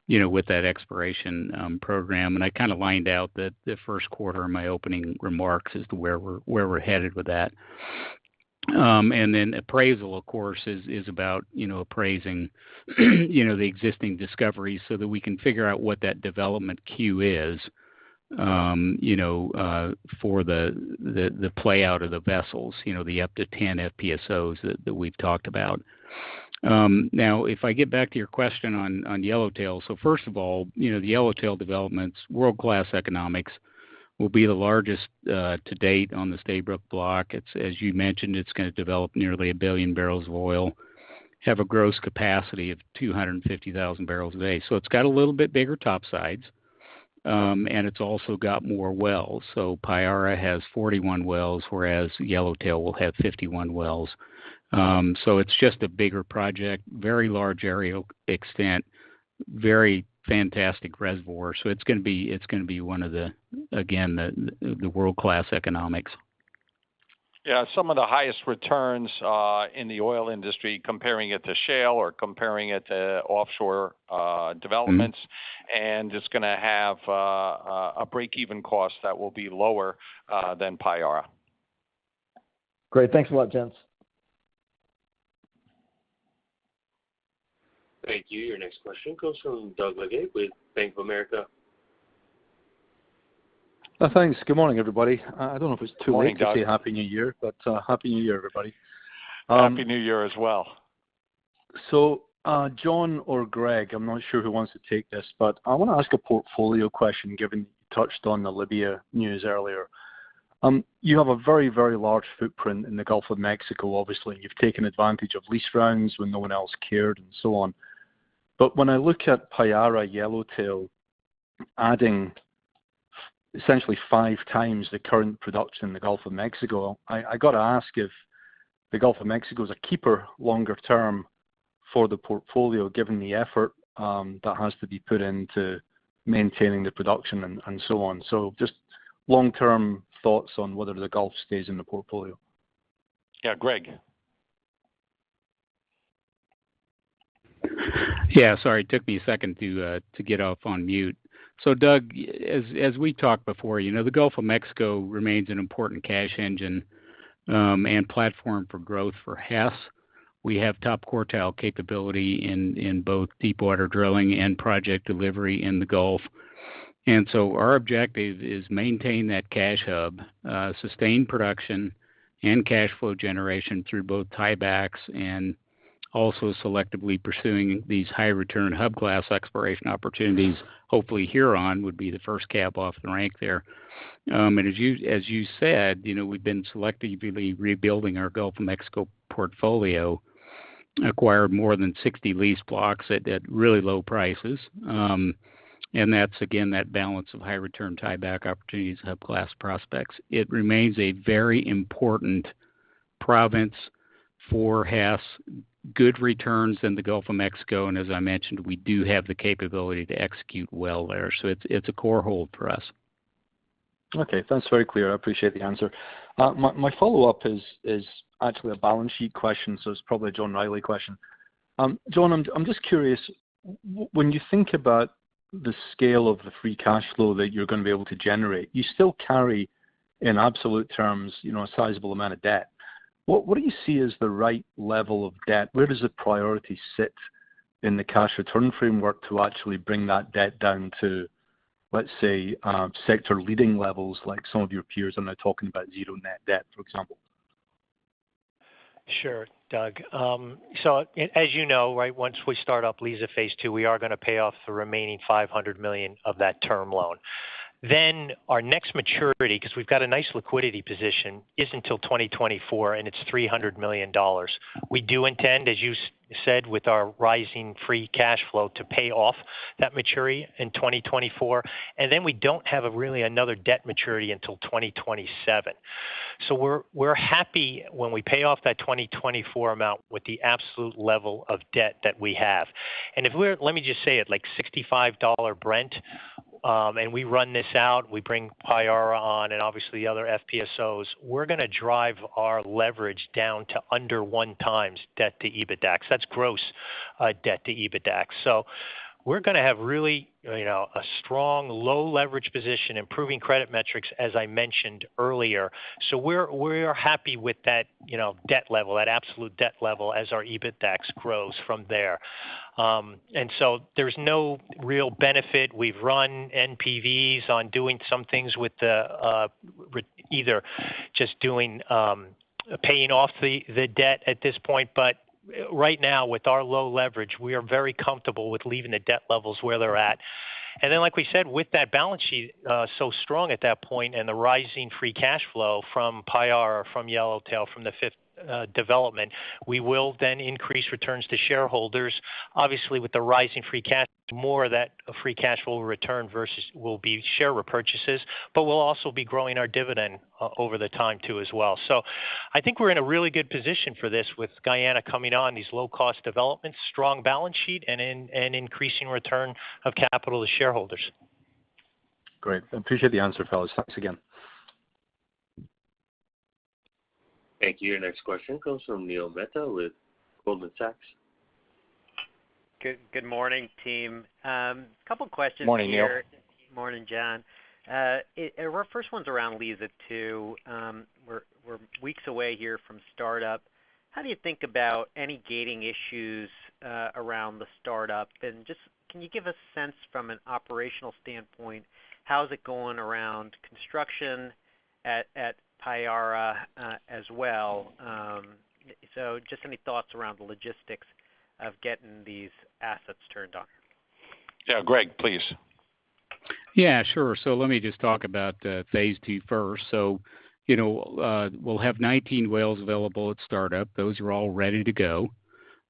you know, with that exploration program. I kind of laid out the first quarter in my opening remarks as to where we're headed with that. Then appraisal, of course, is about you know appraising the existing discoveries so that we can figure out what that development queue is you know for the playout of the vessels you know the up to 10 FPSOs that we've talked about. If I get back to your question on Yellowtail. First of all, you know, the Yellowtail development's world-class economics will be the largest to date on the Stabroek Block. It's as you mentioned, it's gonna develop nearly 1 billion barrels of oil, have a gross capacity of 250,000 barrels a day. It's got a little bit bigger topsides, and it's also got more wells. Payara has 41 wells, whereas Yellowtail will have 51 wells. It's just a bigger project, very large area extent, very fantastic reservoir. It's gonna be one of the, again, the world-class economics. Yeah, some of the highest returns in the oil industry, comparing it to shale or comparing it to offshore developments. Mm-hmm. It's gonna have a break-even cost that will be lower than Payara. Great. Thanks a lot, gents. Thank you. Your next question comes from Doug Leggate with Bank of America. Thanks. Good morning, everybody. I don't know if it's too late. Morning, Doug.... to say Happy New Year, but Happy New Year, everybody. Happy New Year as well. John or Greg, I'm not sure who wants to take this, but I wanna ask a portfolio question, given you touched on the Libya news earlier. You have a very, very large footprint in the Gulf of Mexico. Obviously, you've taken advantage of lease rounds when no one else cared and so on. But when I look at Payara, Yellowtail adding essentially five times the current production in the Gulf of Mexico, I gotta ask if the Gulf of Mexico is a keeper longer term for the portfolio, given the effort that has to be put into maintaining the production and so on. Just long-term thoughts on whether the Gulf stays in the portfolio. Yeah. Greg? Yeah, sorry. It took me a second to get off mute. Doug, as we talked before, you know, the Gulf of Mexico remains an important cash engine and platform for growth for Hess. We have top-quartile capability in both deepwater drilling and project delivery in the Gulf. Our objective is maintain that cash hub, sustain production and cash flow generation through both tiebacks and also selectively pursuing these high return hub class exploration opportunities. Hopefully, Huron would be the first cab off the rank there. And as you said, you know, we've been selectively rebuilding our Gulf of Mexico portfolio, acquired more than 60 lease blocks at really low prices. And that's again, that balance of high return tieback opportunities, hub class prospects. It remains a very important province for Hess, good returns in the Gulf of Mexico. As I mentioned, we do have the capability to execute well there. It's a core hold for us. Okay. That's very clear. I appreciate the answer. My follow-up is actually a balance sheet question, so it's probably a John Rielly question. John, I'm just curious, when you think about the scale of the free cash flow that you're gonna be able to generate, you still carry in absolute terms, you know, a sizable amount of debt. What do you see as the right level of debt? Where does the priority sit in the cash return framework to actually bring that debt down to, let's say, sector leading levels like some of your peers? I'm not talking about zero net debt, for example. Sure. Doug. As you know, right, once we start up Liza Phase 2, we are gonna pay off the remaining $500 million of that term loan. Our next maturity, 'cause we've got a nice liquidity position, isn't till 2024, and it's $300 million. We do intend, as you said, with our rising free cash flow to pay off that maturity in 2024. We don't have really another debt maturity until 2027. We're happy when we pay off that 2024 amount with the absolute level of debt that we have. If we're like $65 Brent and we run this out, we bring Payara on and obviously other FPSOs, we're gonna drive our leverage down to under 1x debt to EBITDA. That's gross debt to EBITDA. We're gonna have really, you know, a strong low leverage position, improving credit metrics as I mentioned earlier. We're happy with that, you know, debt level, that absolute debt level as our EBITDA grows from there. There's no real benefit. We've run NPVs on doing some things with either just paying off the debt at this point. Right now, with our low leverage, we are very comfortable with leaving the debt levels where they're at. Like we said, with that balance sheet so strong at that point and the rising free cash flow from Payara, from Yellowtail, from the fifth development, we will then increase returns to shareholders. Obviously, with the rising free cash, more of that free cash will return versus will be share repurchases, but we'll also be growing our dividend over the time too as well. I think we're in a really good position for this with Guyana coming on, these low-cost developments, strong balance sheet, and an increasing return of capital to shareholders. Great. I appreciate the answer, fellas. Thanks again. Thank you. Your next question comes from Neil Mehta with Goldman Sachs. Good morning, team. A couple of questions here. Morning, Neil. Morning, John. Our first one's around Liza 2. We're weeks away here from startup. How do you think about any gating issues around the startup? Just, can you give a sense from an operational standpoint, how is it going around construction at Payara as well? Just any thoughts around the logistics of getting these assets turned on. Yeah. Greg, please. Yeah, sure. Let me just talk about phase two first. You know, we'll have 19 wells available at startup. Those are all ready to go.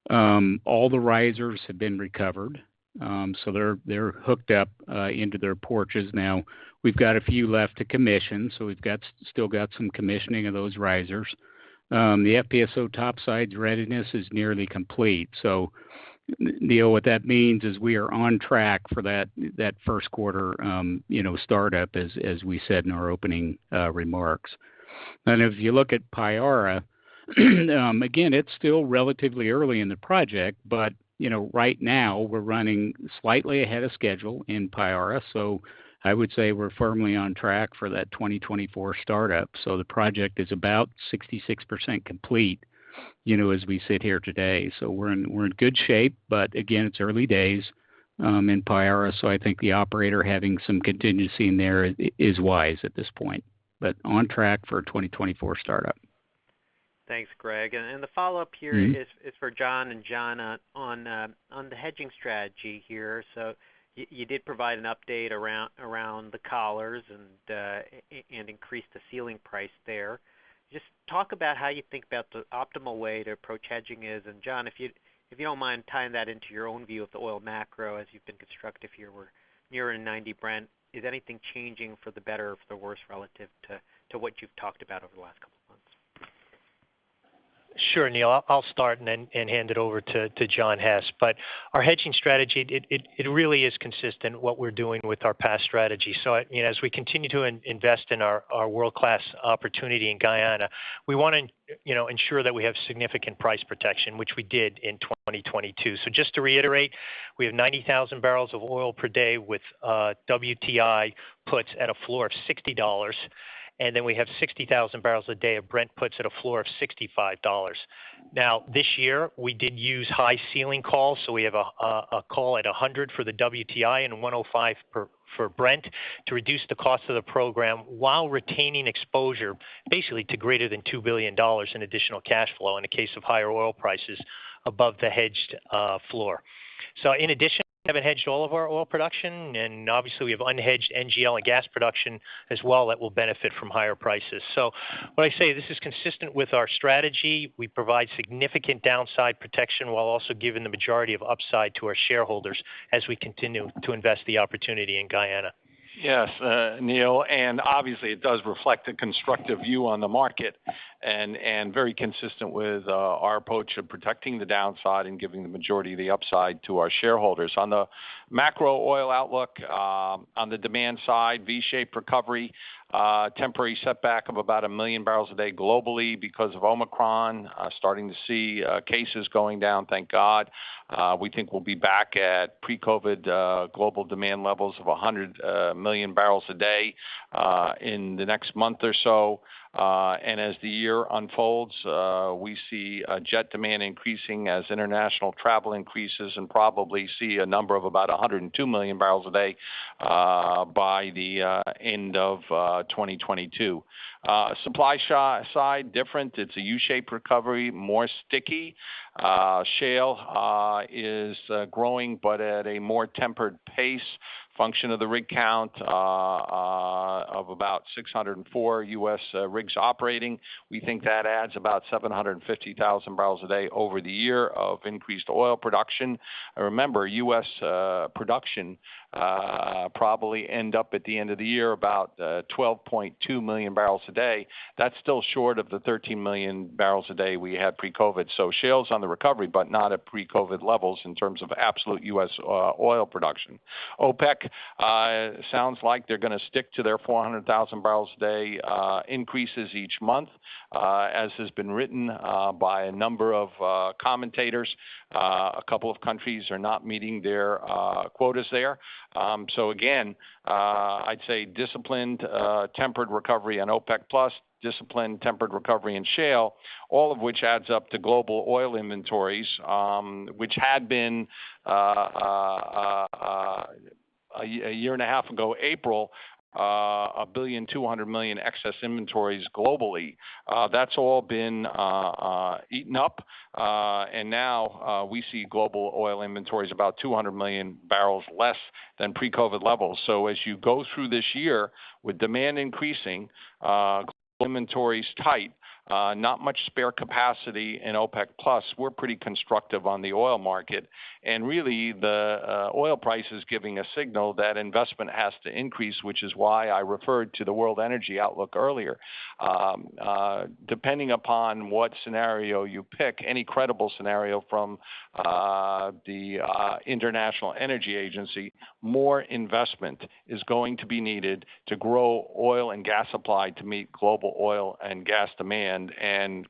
All the risers have been recovered, so they're hooked up into their porches now. We've got a few left to commission, so we've still got some commissioning of those risers. The FPSO topsides readiness is nearly complete. Neil, what that means is we are on track for that first quarter startup as we said in our opening remarks. If you look at Payara, again, it's still relatively early in the project, but you know, right now we're running slightly ahead of schedule in Payara. I would say we're firmly on track for that 2024 startup. The project is about 66% complete, you know, as we sit here today. We're in good shape, but again, it's early days in Payara, so I think the operator having some contingency in there is wise at this point. On track for a 2024 startup. Thanks, Greg. The follow-up here- Mm-hmm. This is for John Hess and John Rielly on the hedging strategy here. You did provide an update around the collars and increased the ceiling price there. Just talk about how you think about the optimal way to approach hedging. John, if you don't mind tying that into your own view of the oil macro as you've been constructive here, we're nearing $90 Brent. Is anything changing for the better or for the worse relative to what you've talked about over the last couple months? Sure, Neil, I'll start and then hand it over to John Hess. Our hedging strategy, it really is consistent with what we're doing with our past strategy. You know, as we continue to invest in our world-class opportunity in Guyana, we wanna ensure that we have significant price protection, which we did in 2022. Just to reiterate, we have 90,000 barrels of oil per day with WTI puts at a floor of $60, and then we have 60,000 barrels a day of Brent puts at a floor of $65. Now, this year, we did use high ceiling calls, so we have a call at 100 for the WTI and 105 for Brent to reduce the cost of the program while retaining exposure basically to greater than $2 billion in additional cash flow in the case of higher oil prices above the hedged floor. In addition, we haven't hedged all of our oil production, and obviously we have unhedged NGL and gas production as well that will benefit from higher prices. When I say this is consistent with our strategy, we provide significant downside protection while also giving the majority of upside to our shareholders as we continue to invest in the opportunity in Guyana. Yes, Neil, and obviously it does reflect a constructive view on the market and very consistent with our approach of protecting the downside and giving the majority of the upside to our shareholders. On the macro oil outlook, on the demand side, V-shaped recovery, temporary setback of about 1 million barrels a day globally because of Omicron. Starting to see cases going down, thank God. We think we'll be back at pre-COVID global demand levels of 100 million barrels a day in the next month or so. As the year unfolds, we see jet demand increasing as international travel increases, and probably see a number of about 102 million barrels a day by the end of 2022. Supply side, different. It's a U-shaped recovery, more sticky. Shale is growing, but at a more tempered pace, a function of the rig count of about 604 U.S. rigs operating. We think that adds about 750,000 barrels a day over the year of increased oil production. Remember, U.S. production probably end up at the end of the year about 12.2 million barrels a day. That's still short of the 13 million barrels a day we had pre-COVID. Shale's on the recovery, but not at pre-COVID levels in terms of absolute U.S. oil production. OPEC sounds like they're gonna stick to their 400,000 barrels a day increases each month. As has been written by a number of commentators, a couple of countries are not meeting their quotas there. I'd say disciplined tempered recovery on OPEC+ and disciplined tempered recovery in shale, all of which adds up to global oil inventories, which had been a year and a half ago, April, 1.2 billion excess inventories globally. That's all been eaten up, and now we see global oil inventories about 200 million barrels less than pre-COVID levels. As you go through this year with demand increasing, inventories tight, not much spare capacity in OPEC+, we're pretty constructive on the oil market. Really the oil price is giving a signal that investment has to increase, which is why I referred to the World Energy Outlook earlier. Depending upon what scenario you pick, any credible scenario from the International Energy Agency, more investment is going to be needed to grow oil and gas supply to meet global oil and gas demand.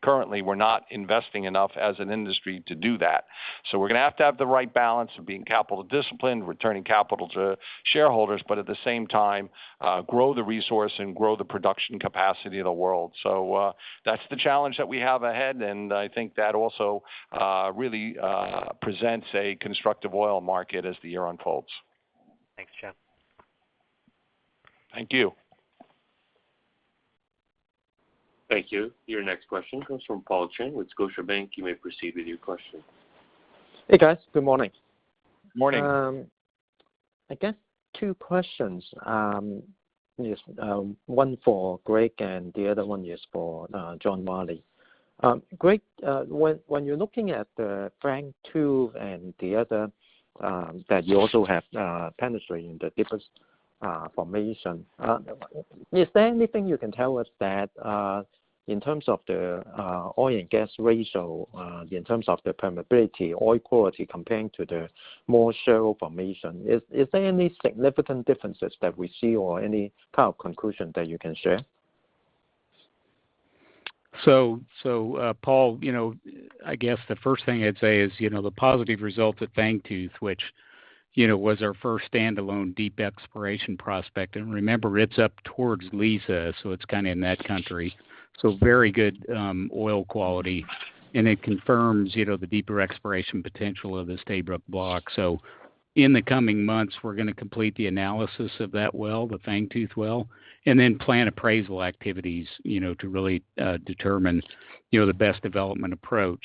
Currently, we're not investing enough as an industry to do that. We're gonna have to have the right balance of being capital disciplined, returning capital to shareholders, but at the same time, grow the resource and grow the production capacity of the world. That's the challenge that we have ahead, and I think that also really presents a constructive oil market as the year unfolds. Thanks, John. Thank you. Thank you. Your next question comes from Paul Cheng with Scotiabank. You may proceed with your question. Hey, guys. Good morning. Morning. I guess two questions. Yes, one for Greg and the other one is for John Rielly. Greg, when you're looking at the Fangtooth and the other that you also have penetration in the deepest formation, is there anything you can tell us that in terms of the oil and gas ratio, in terms of the permeability, oil quality comparing to the more shallow formation, is there any significant differences that we see or any kind of conclusion that you can share? Paul, you know, I guess the first thing I'd say is, you know, the positive result at Fangtooth, which, you know, was our first standalone deep exploration prospect. Remember, it's up towards Liza, so it's kind of in that country. Very good oil quality. It confirms, you know, the deeper exploration potential of the Stabroek Block. In the coming months, we're gonna complete the analysis of that well, the Fangtooth well, and then plan appraisal activities, you know, to really determine, you know, the best development approach.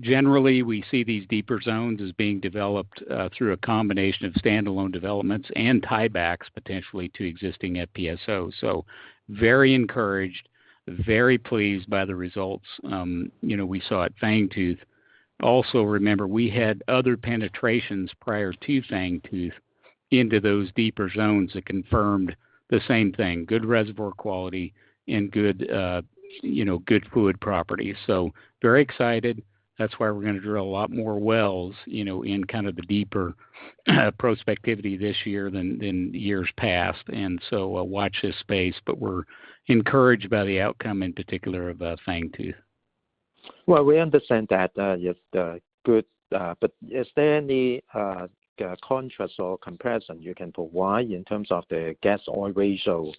Generally, we see these deeper zones as being developed through a combination of standalone developments and tiebacks potentially to existing FPSO. Very encouraged, very pleased by the results, you know, we saw at Fangtooth. Also remember, we had other penetrations prior to Fangtooth into those deeper zones that confirmed the same thing, good reservoir quality and good, you know, good fluid property. Very excited. That's why we're gonna drill a lot more wells, you know, in kind of the deeper prospectivity this year than years past. Watch this space, but we're encouraged by the outcome, in particular of Fangtooth-2. Well, we understand that, yes, good. Is there any contrast or comparison you can provide in terms of the gas oil ratio,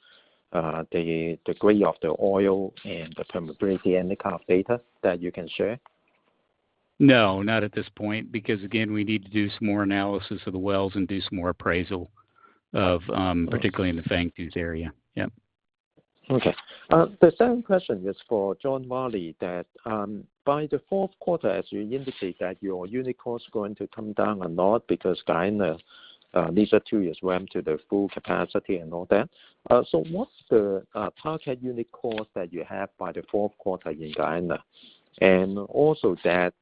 the degree of the oil and the permeability, any kind of data that you can share? No, not at this point, because again, we need to do some more analysis of the wells and do some more appraisal of, particularly in the Fangtooth-2 area. Yeah. Okay. The second question is for John Rielly that by the fourth quarter, as you indicate that your unit cost is going to come down a lot because Guyana these are two years ramp to the full capacity and all that. What's the target unit cost that you have by the fourth quarter in Guyana? And also that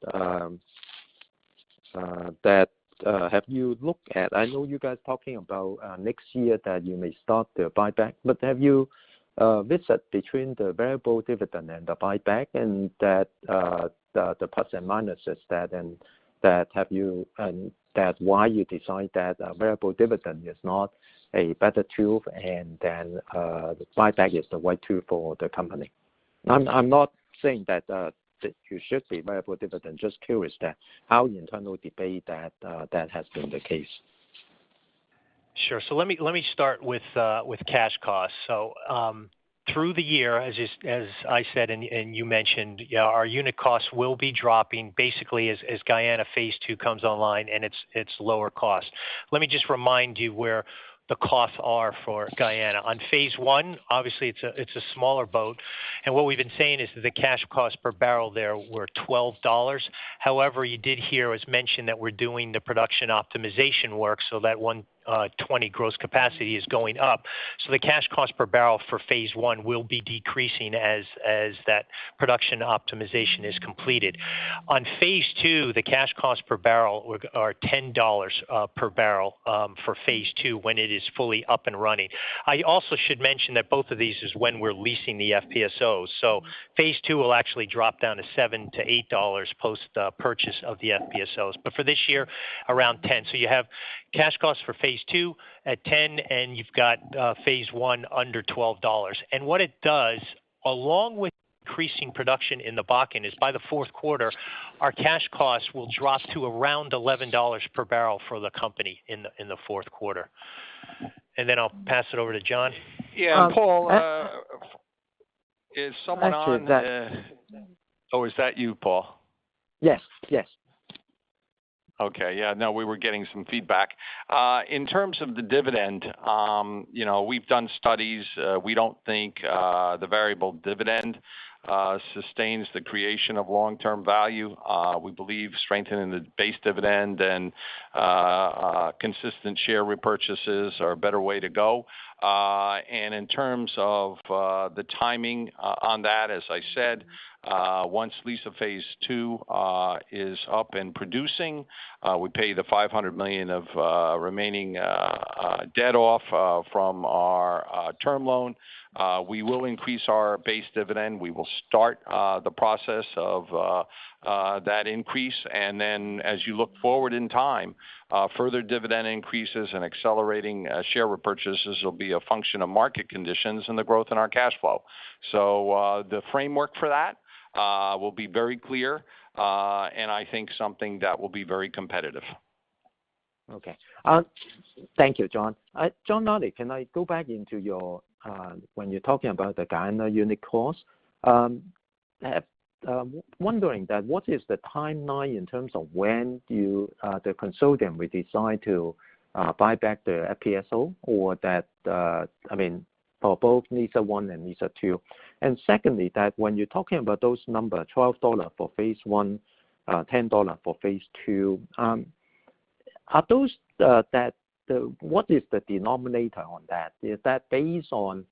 I know you guys talking about next year that you may start the buyback. Have you decided between the variable dividend and the buyback and that the plus and minuses and why you decide that a variable dividend is not a better tool, and the buyback is the right tool for the company? I'm not saying that you should be variable dividend. Just curious as to how the internal debate that has been the case. Sure. Let me start with cash costs. Through the year, as I said, and you mentioned, yeah, our unit costs will be dropping basically as Guyana Phase 2 comes online and it's lower cost. Let me just remind you where the costs are for Guyana. On Phase 1, obviously, it's a smaller boat, and what we've been saying is that the cash costs per barrel there were $12. However, you did hear, as mentioned, that we're doing the production optimization work, so that 120 gross capacity is going up. So the cash cost per barrel for Phase 1 will be decreasing as that production optimization is completed. On Phase 2, the cash costs per barrel are $10 per barrel for Phase 2 when it is fully up and running. I also should mention that both of these is when we're leasing the FPSOs. Phase 2 will actually drop down to $7-$8 post purchase of the FPSOs. For this year, around $10. You have cash costs for phase two at $10, and you've got phase one under $12. What it does, along with increasing production in the Bakken, is by the fourth quarter, our cash costs will drop to around $11 per barrel for the company in the fourth quarter. Then I'll pass it over to John. Yeah. Paul, is someone on the- Actually. Oh, is that you, Paul? Yes. Yes. Okay. Yeah. No, we were getting some feedback. In terms of the dividend, you know, we've done studies. We don't think the variable dividend sustains the creation of long-term value. We believe strengthening the base dividend and consistent share repurchases are a better way to go. In terms of the timing on that, as I said, once Liza Phase 2 is up and producing, we pay the $500 million of remaining debt off from our term loan. We will increase our base dividend. We will start the process of that increase. As you look forward in time, further dividend increases and accelerating share repurchases will be a function of market conditions and the growth in our cash flow. The framework for that will be very clear, and I think something that will be very competitive. Okay. Thank you, John. John Rielly, can I go back to when you're talking about the Guyana unit cost? Wondering what is the timeline in terms of when the consortium will decide to buyback the FPSO, I mean, for both Liza One and Liza Phase 2. Secondly, when you're talking about those numbers, $12 for Phase 1, $10 for Phase 2, are those, what is the denominator on that? Is that based on,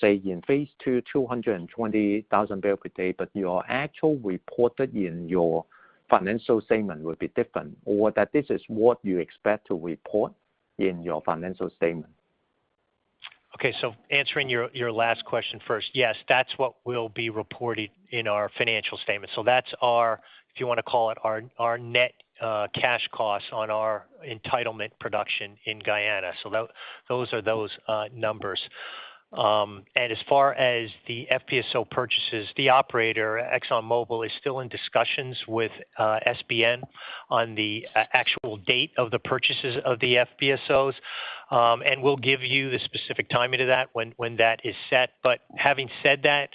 say in Phase 2, 220,000 barrels per day, but your actual reported in your financial statement will be different? Or that this is what you expect to report in your financial statement? Okay. Answering your last question first. Yes, that's what will be reported in our financial statement. That's our, if you wanna call it, our net cash costs on our entitlement production in Guyana. Those are the numbers. As far as the FPSO purchases, the operator, ExxonMobil, is still in discussions with SBM on the actual date of the purchases of the FPSOs. We'll give you the specific timing to that when that is set. Having said that,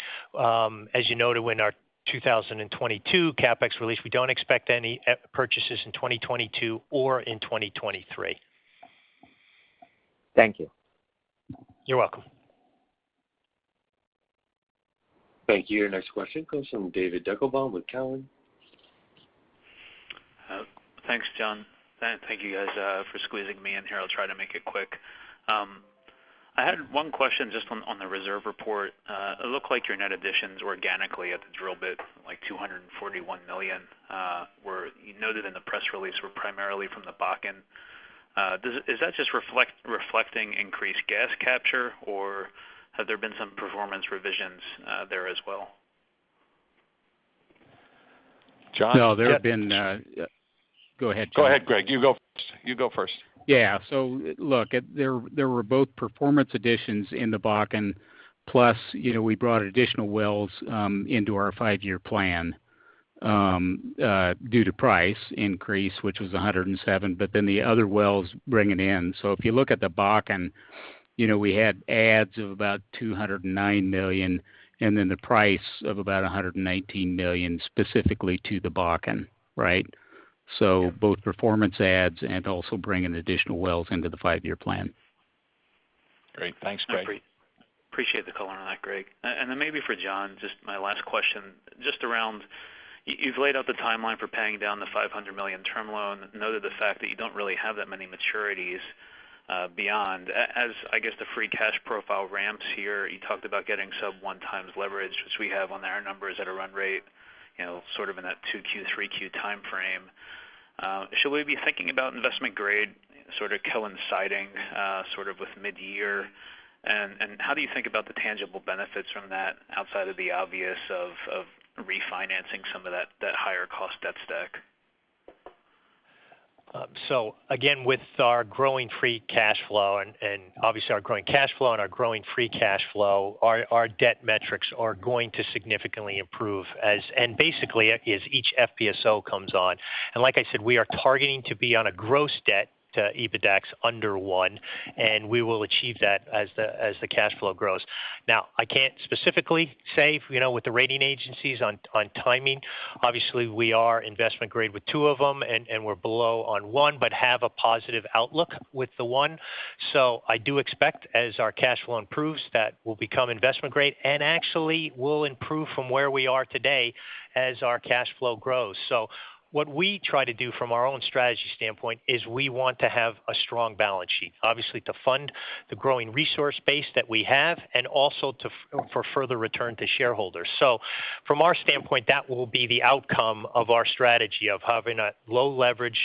as you noted in our 2022 CapEx release, we don't expect any purchases in 2022 or in 2023. Thank you. You're welcome. Thank you. Next question comes from David Deckelbaum with Cowen. Thanks, John. Thank you guys for squeezing me in here. I'll try to make it quick. I had one question just on the reserve report. It looked like your net additions organically at the drill bit, like 241 million, were, as you noted in the press release, primarily from the Bakken. Does that just reflect increased gas capture, or have there been some performance revisions there as well? John? No, there have been. Go ahead, John. Go ahead, Greg. You go first. Yeah. Look, there were both performance additions in the Bakken, plus, you know, we brought additional wells into our five-year plan due to price increase, which was $107, but then the other wells bring it in. If you look at the Bakken, you know, we had adds of about $209 million, and then the price of about $119 million specifically to the Bakken, right? Both performance adds and also bringing additional wells into the five-year plan. Great. Thanks, Greg. Appreciate the color on that, Greg. Maybe for John, just my last question, just around you've laid out the timeline for paying down the $500 million term loan, noted the fact that you don't really have that many maturities beyond. As I guess, the free cash profile ramps here, you talked about getting sub-1x leverage, which we have on our numbers at a run rate, you know, sort of in that 2Q, 3Q timeframe. Should we be thinking about investment grade sort of coinciding sort of with mid-year? How do you think about the tangible benefits from that outside of the obvious of refinancing some of that higher cost debt stack? Again, with our growing free cash flow and obviously our growing cash flow, our debt metrics are going to significantly improve and basically as each FPSO comes on. Like I said, we are targeting to be on a gross debt to EBITDA under 1x, and we will achieve that as the cash flow grows. Now, I can't specifically say, you know, with the rating agencies on timing. Obviously, we are investment grade with two of them and we're below on one, but have a positive outlook with the one. I do expect as our cash flow improves, that we'll become investment grade and actually will improve from where we are today as our cash flow grows. What we try to do from our own strategy standpoint is we want to have a strong balance sheet, obviously to fund the growing resource base that we have and also to for further return to shareholders. From our standpoint, that will be the outcome of our strategy of having a low leverage,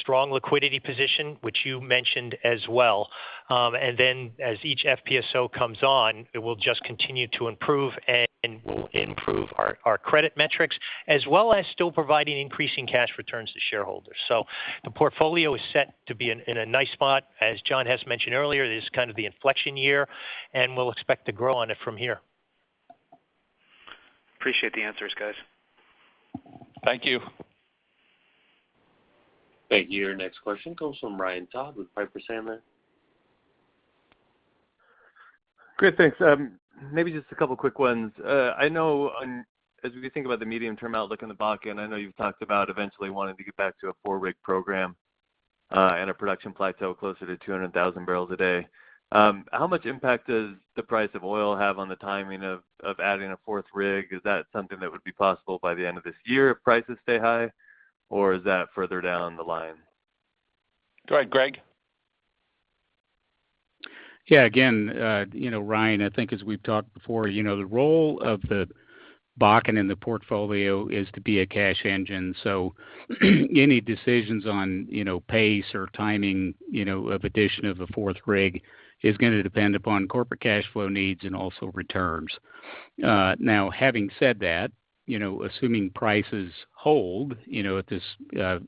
strong liquidity position, which you mentioned as well. Then as each FPSO comes on, it will just continue to improve and will improve our credit metrics, as well as still providing increasing cash returns to shareholders. The portfolio is set to be in a nice spot. As John has mentioned earlier, this is kind of the inflection year, and we'll expect to grow on it from here. Appreciate the answers, guys. Thank you. Thank you. Your next question comes from Ryan Todd with Piper Sandler. Chris, thanks. Maybe just a couple of quick ones. I know, as we think about the medium-term outlook in the Bakken, I know you've talked about eventually wanting to get back to a four-rig program, and a production plateau closer to 200,000 barrels a day. How much impact does the price of oil have on the timing of adding a fourth rig? Is that something that would be possible by the end of this year if prices stay high, or is that further down the line? Go ahead, Greg. Yeah, again, you know, Ryan, I think as we've talked before, you know, the role of the Bakken in the portfolio is to be a cash engine. Any decisions on, you know, pace or timing, you know, of addition of a fourth rig is gonna depend upon corporate cash flow needs and also returns. Now, having said that, you know, assuming prices hold, you know, at this,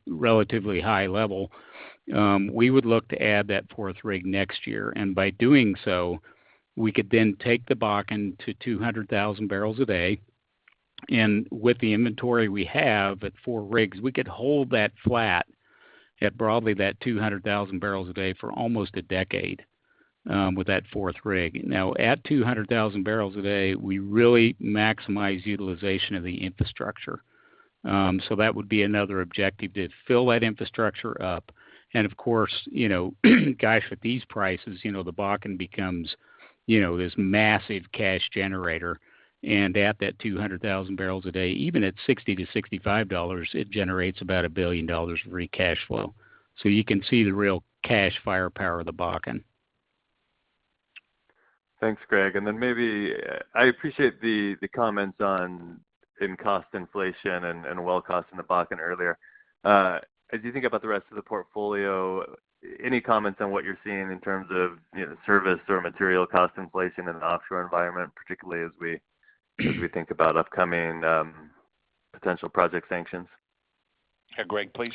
relatively high level, we would look to add that fourth rig next year. By doing so, we could then take the Bakken to 200,000 barrels a day. With the inventory we have at four rigs, we could hold that flat at broadly that 200,000 barrels a day for almost a decade, with that fourth rig. Now, at 200,000 barrels a day, we really maximize utilization of the infrastructure. That would be another objective, to fill that infrastructure up. Of course, you know, gosh, at these prices, you know, the Bakken becomes, you know, this massive cash generator. At that 200,000 barrels a day, even at $60-$65, it generates about $1 billion of free cash flow. You can see the real cash firepower of the Bakken. Thanks, Greg. I appreciate the comments on cost inflation and well cost in the Bakken earlier. As you think about the rest of the portfolio, any comments on what you're seeing in terms of, you know, service or material cost inflation in an offshore environment, particularly as we think about upcoming potential project sanctions? Yeah, Greg, please.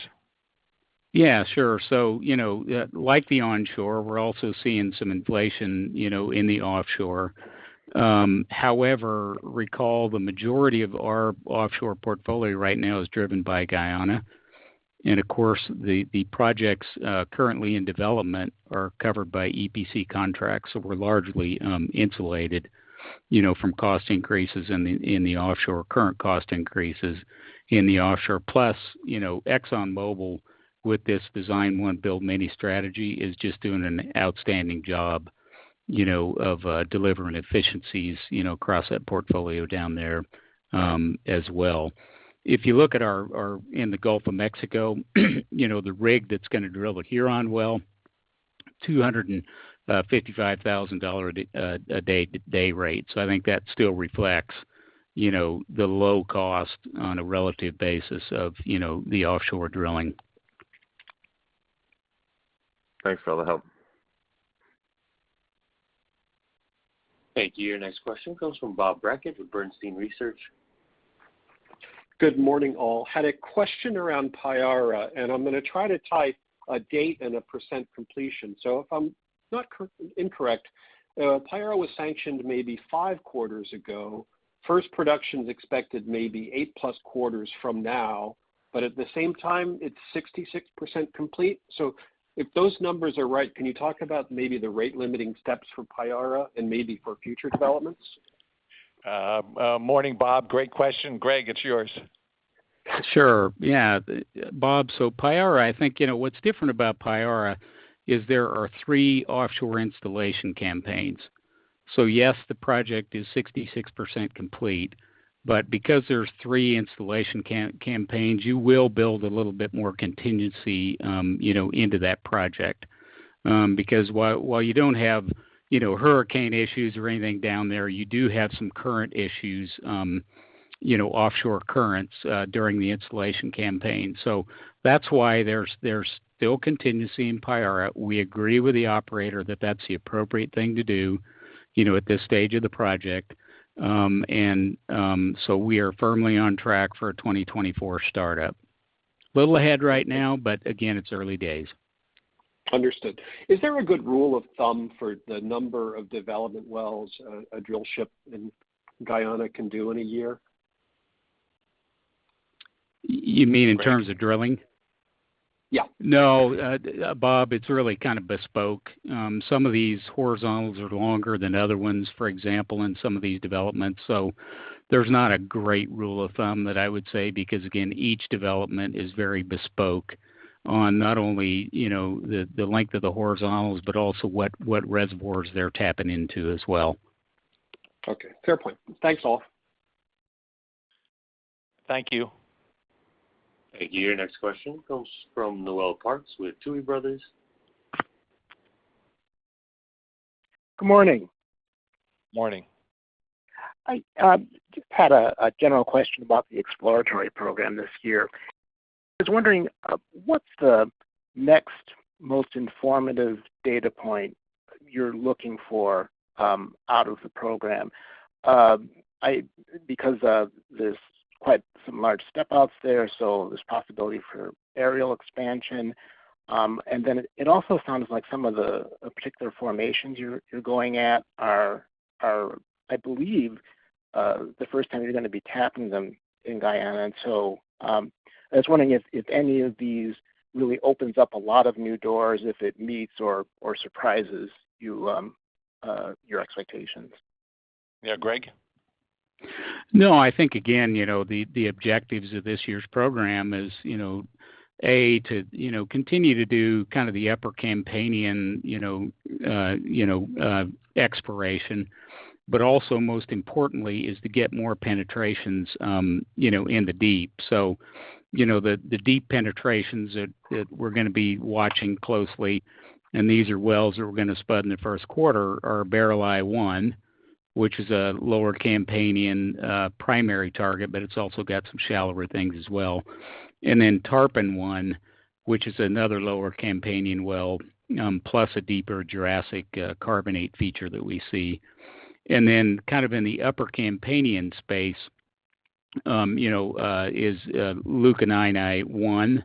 Yeah, sure. You know, like the onshore, we're also seeing some inflation, you know, in the offshore. However, recall the majority of our offshore portfolio right now is driven by Guyana. Of course, the projects currently in development are covered by EPC contracts, so we're largely insulated, you know, from current cost increases in the offshore. ExxonMobil, with this design one build many strategy, is just doing an outstanding job, you know, of delivering efficiencies, you know, across that portfolio down there, as well. If you look at our in the Gulf of Mexico, you know, the rig that's gonna drill the Huron well. $255,000 day rate. I think that still reflects, you know, the low cost on a relative basis of, you know, the offshore drilling. Thanks for all the help. Thank you. Your next question comes from Bob Brackett with Bernstein Research. Good morning, all. Had a question around Payara, and I'm gonna try to tie a date and a % completion. If I'm not incorrect, Payara was sanctioned maybe five quarters ago. First production's expected maybe eight plus quarters from now, but at the same time, it's 66% complete. If those numbers are right, can you talk about maybe the rate-limiting steps for Payara and maybe for future developments? Morning, Bob. Great question. Greg, it's yours. Sure. Yeah. Bob, Payara, I think, you know, what's different about Payara is there are three offshore installation campaigns. Yes, the project is 66% complete, but because there's three installation campaigns, you will build a little bit more contingency, you know, into that project. Because while you don't have, you know, hurricane issues or anything down there, you do have some current issues, you know, offshore currents during the installation campaign. That's why there's still contingency in Payara. We agree with the operator that that's the appropriate thing to do, you know, at this stage of the project. We are firmly on track for a 2024 startup. A little ahead right now, but again, it's early days. Understood. Is there a good rule of thumb for the number of development wells a drill ship in Guyana can do in a year? You mean in terms of drilling? Yeah. No, Bob, it's really kinda bespoke. Some of these horizontals are longer than other ones, for example, in some of these developments. There's not a great rule of thumb that I would say, because again, each development is very bespoke on not only, you know, the length of the horizontals, but also what reservoirs they're tapping into as well. Okay. Fair point. Thanks all. Thank you. Thank you. Your next question comes from Noel Parks with Tuohy Brothers. Good morning. Morning. I just had a general question about the exploratory program this year. Just wondering, what's the next most informative data point you're looking for out of the program? Because there's quite some large step-outs there, so there's possibility for areal expansion. It also sounds like some of the particular formations you're going at are, I believe, the first time you're gonna be tapping them in Guyana. I was wondering if any of these really opens up a lot of new doors, if it meets or surprises you, or your expectations. Yeah, Greg. No, I think again, you know, the objectives of this year's program is, you know, to continue to do kind of the Upper Campanian, you know, exploration, but also most importantly, is to get more penetrations, you know, in the deep. You know, the deep penetrations that we're gonna be watching closely, and these are wells that we're gonna spud in the first quarter are Barreleye-1, which is a Lower Campanian primary target, but it's also got some shallower things as well. Tarpon-1, which is another Lower Campanian well, plus a deeper Jurassic carbonate feature that we see. Kind of in the Upper Campanian space, you know, is Lukanani-1.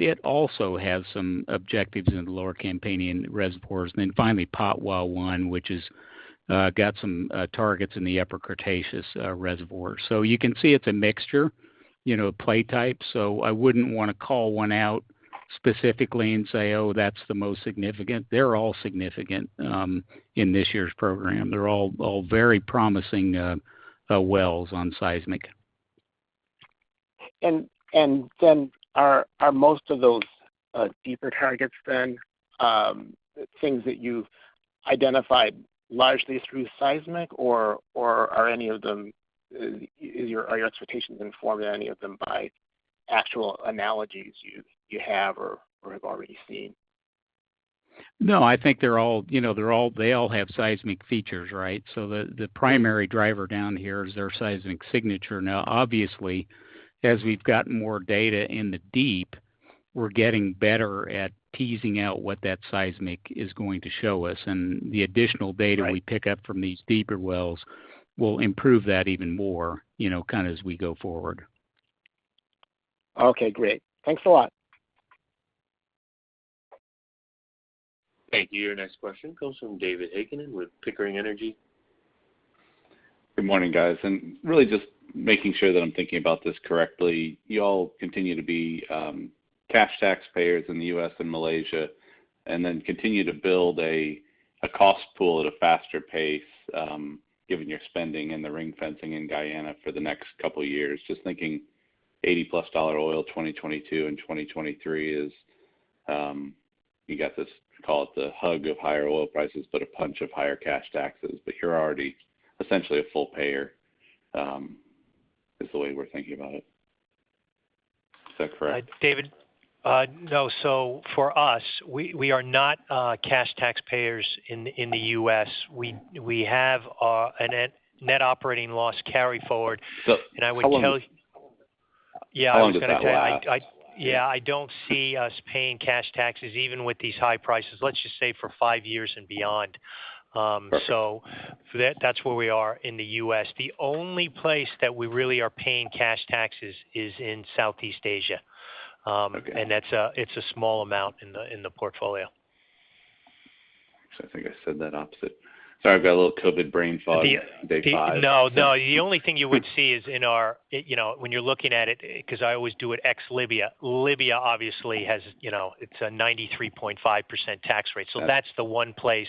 It also has some objectives in the Lower Campanian reservoirs. Finally, Patwa-1, which has got some targets in the Upper Cretaceous reservoir. You can see it's a mixture, you know, play type. I wouldn't wanna call one out specifically and say, "Oh, that's the most significant." They're all significant in this year's program. They're all very promising wells on seismic. Are most of those deeper targets things that you've identified largely through seismic? Or are your expectations informed on any of them by actual analogies you have or have already seen? No, I think they're all, you know, they all have seismic features, right? So the primary driver down here is their seismic signature. Now, obviously, as we've gotten more data in the deep, we're getting better at teasing out what that seismic is going to show us. The additional data- Right. The pickup from these deeper wells will improve that even more, you know, kinda as we go forward. Okay, great. Thanks a lot. Thank you. Your next question comes from David Heikkinen with Pickering Energy. Good morning, guys. Really just making sure that I'm thinking about this correctly. Y'all continue to be cash taxpayers in the U.S. and Malaysia, and then continue to build a cost pool at a faster pace, given your spending and the ring fencing in Guyana for the next couple of years. Just thinking $80+ oil, 2022 and 2023 is, you got this, call it the hug of higher oil prices, but a punch of higher cash taxes. You're already essentially a full payer, is the way we're thinking about it. David? No. For us, we are not cash taxpayers in the U.S. We have a net operating loss carry forward. How long- I would tell you. How long does that last? I don't see us paying cash taxes even with these high prices, let's just say for five years and beyond. That's where we are in the U.S. The only place that we really are paying cash taxes is in Southeast Asia. Okay. That's a small amount in the portfolio. I think I said that opposite. Sorry, I've got a little COVID brain fog. The- Day five. No, no. The only thing you would see is in our, you know, when you're looking at it, 'cause I always do it ex-Libya. Libya obviously has, you know, it's a 93.5% tax rate. Got it. That's the one place,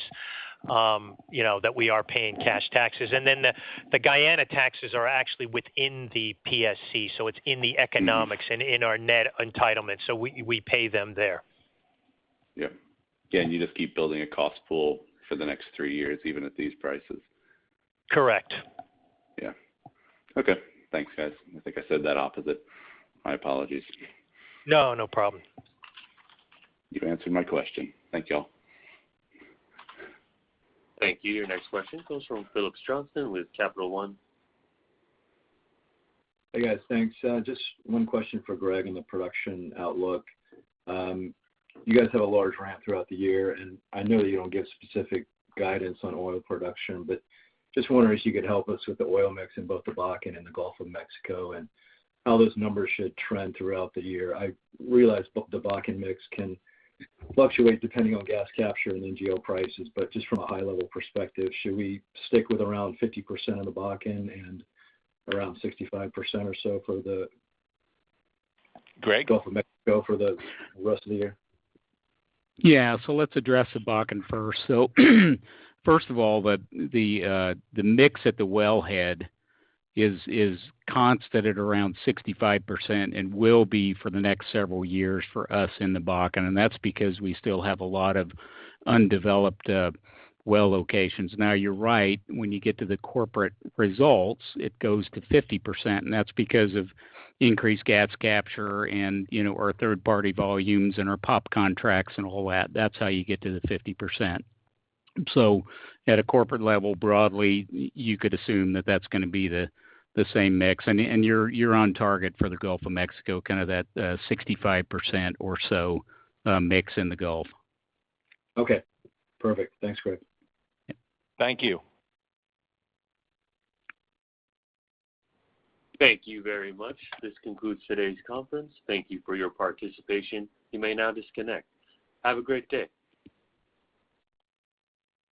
you know, that we are paying cash taxes. The Guyana taxes are actually within the PSC, so it's in the economics- Mm-hmm. in our net entitlement. We pay them there. Yeah. You just keep building a cost pool for the next three years, even at these prices? Correct. Yeah. Okay, thanks guys. I think I said that opposite. My apologies. No, no problem. You answered my question. Thank you all. Thank you. Your next question comes from Phillips Johnston with Capital One. Hey, guys. Thanks. Just one question for Greg on the production outlook. You guys have a large ramp throughout the year, and I know that you don't give specific guidance on oil production. Just wondering if you could help us with the oil mix in both the Bakken and the Gulf of Mexico, and how those numbers should trend throughout the year. I realize the Bakken mix can fluctuate depending on gas capture and NGL prices. Just from a high level perspective, should we stick with around 50% of the Bakken and around 65% or so for the- Greg? Gulf of Mexico for the rest of the year? Yeah. Let's address the Bakken first. First of all, the mix at the wellhead is constant at around 65%, and will be for the next several years for us in the Bakken, and that's because we still have a lot of undeveloped well locations. Now, you're right, when you get to the corporate results, it goes to 50%, and that's because of increased gas capture and, you know, our third-party volumes and our POP contracts and all that. That's how you get to the 50%. At a corporate level, broadly, you could assume that that's gonna be the same mix. You're on target for the Gulf of Mexico, kind of that 65% or so mix in the Gulf. Okay. Perfect. Thanks, Greg. Thank you. Thank you very much. This concludes today's conference. Thank you for your participation. You may now disconnect. Have a great day.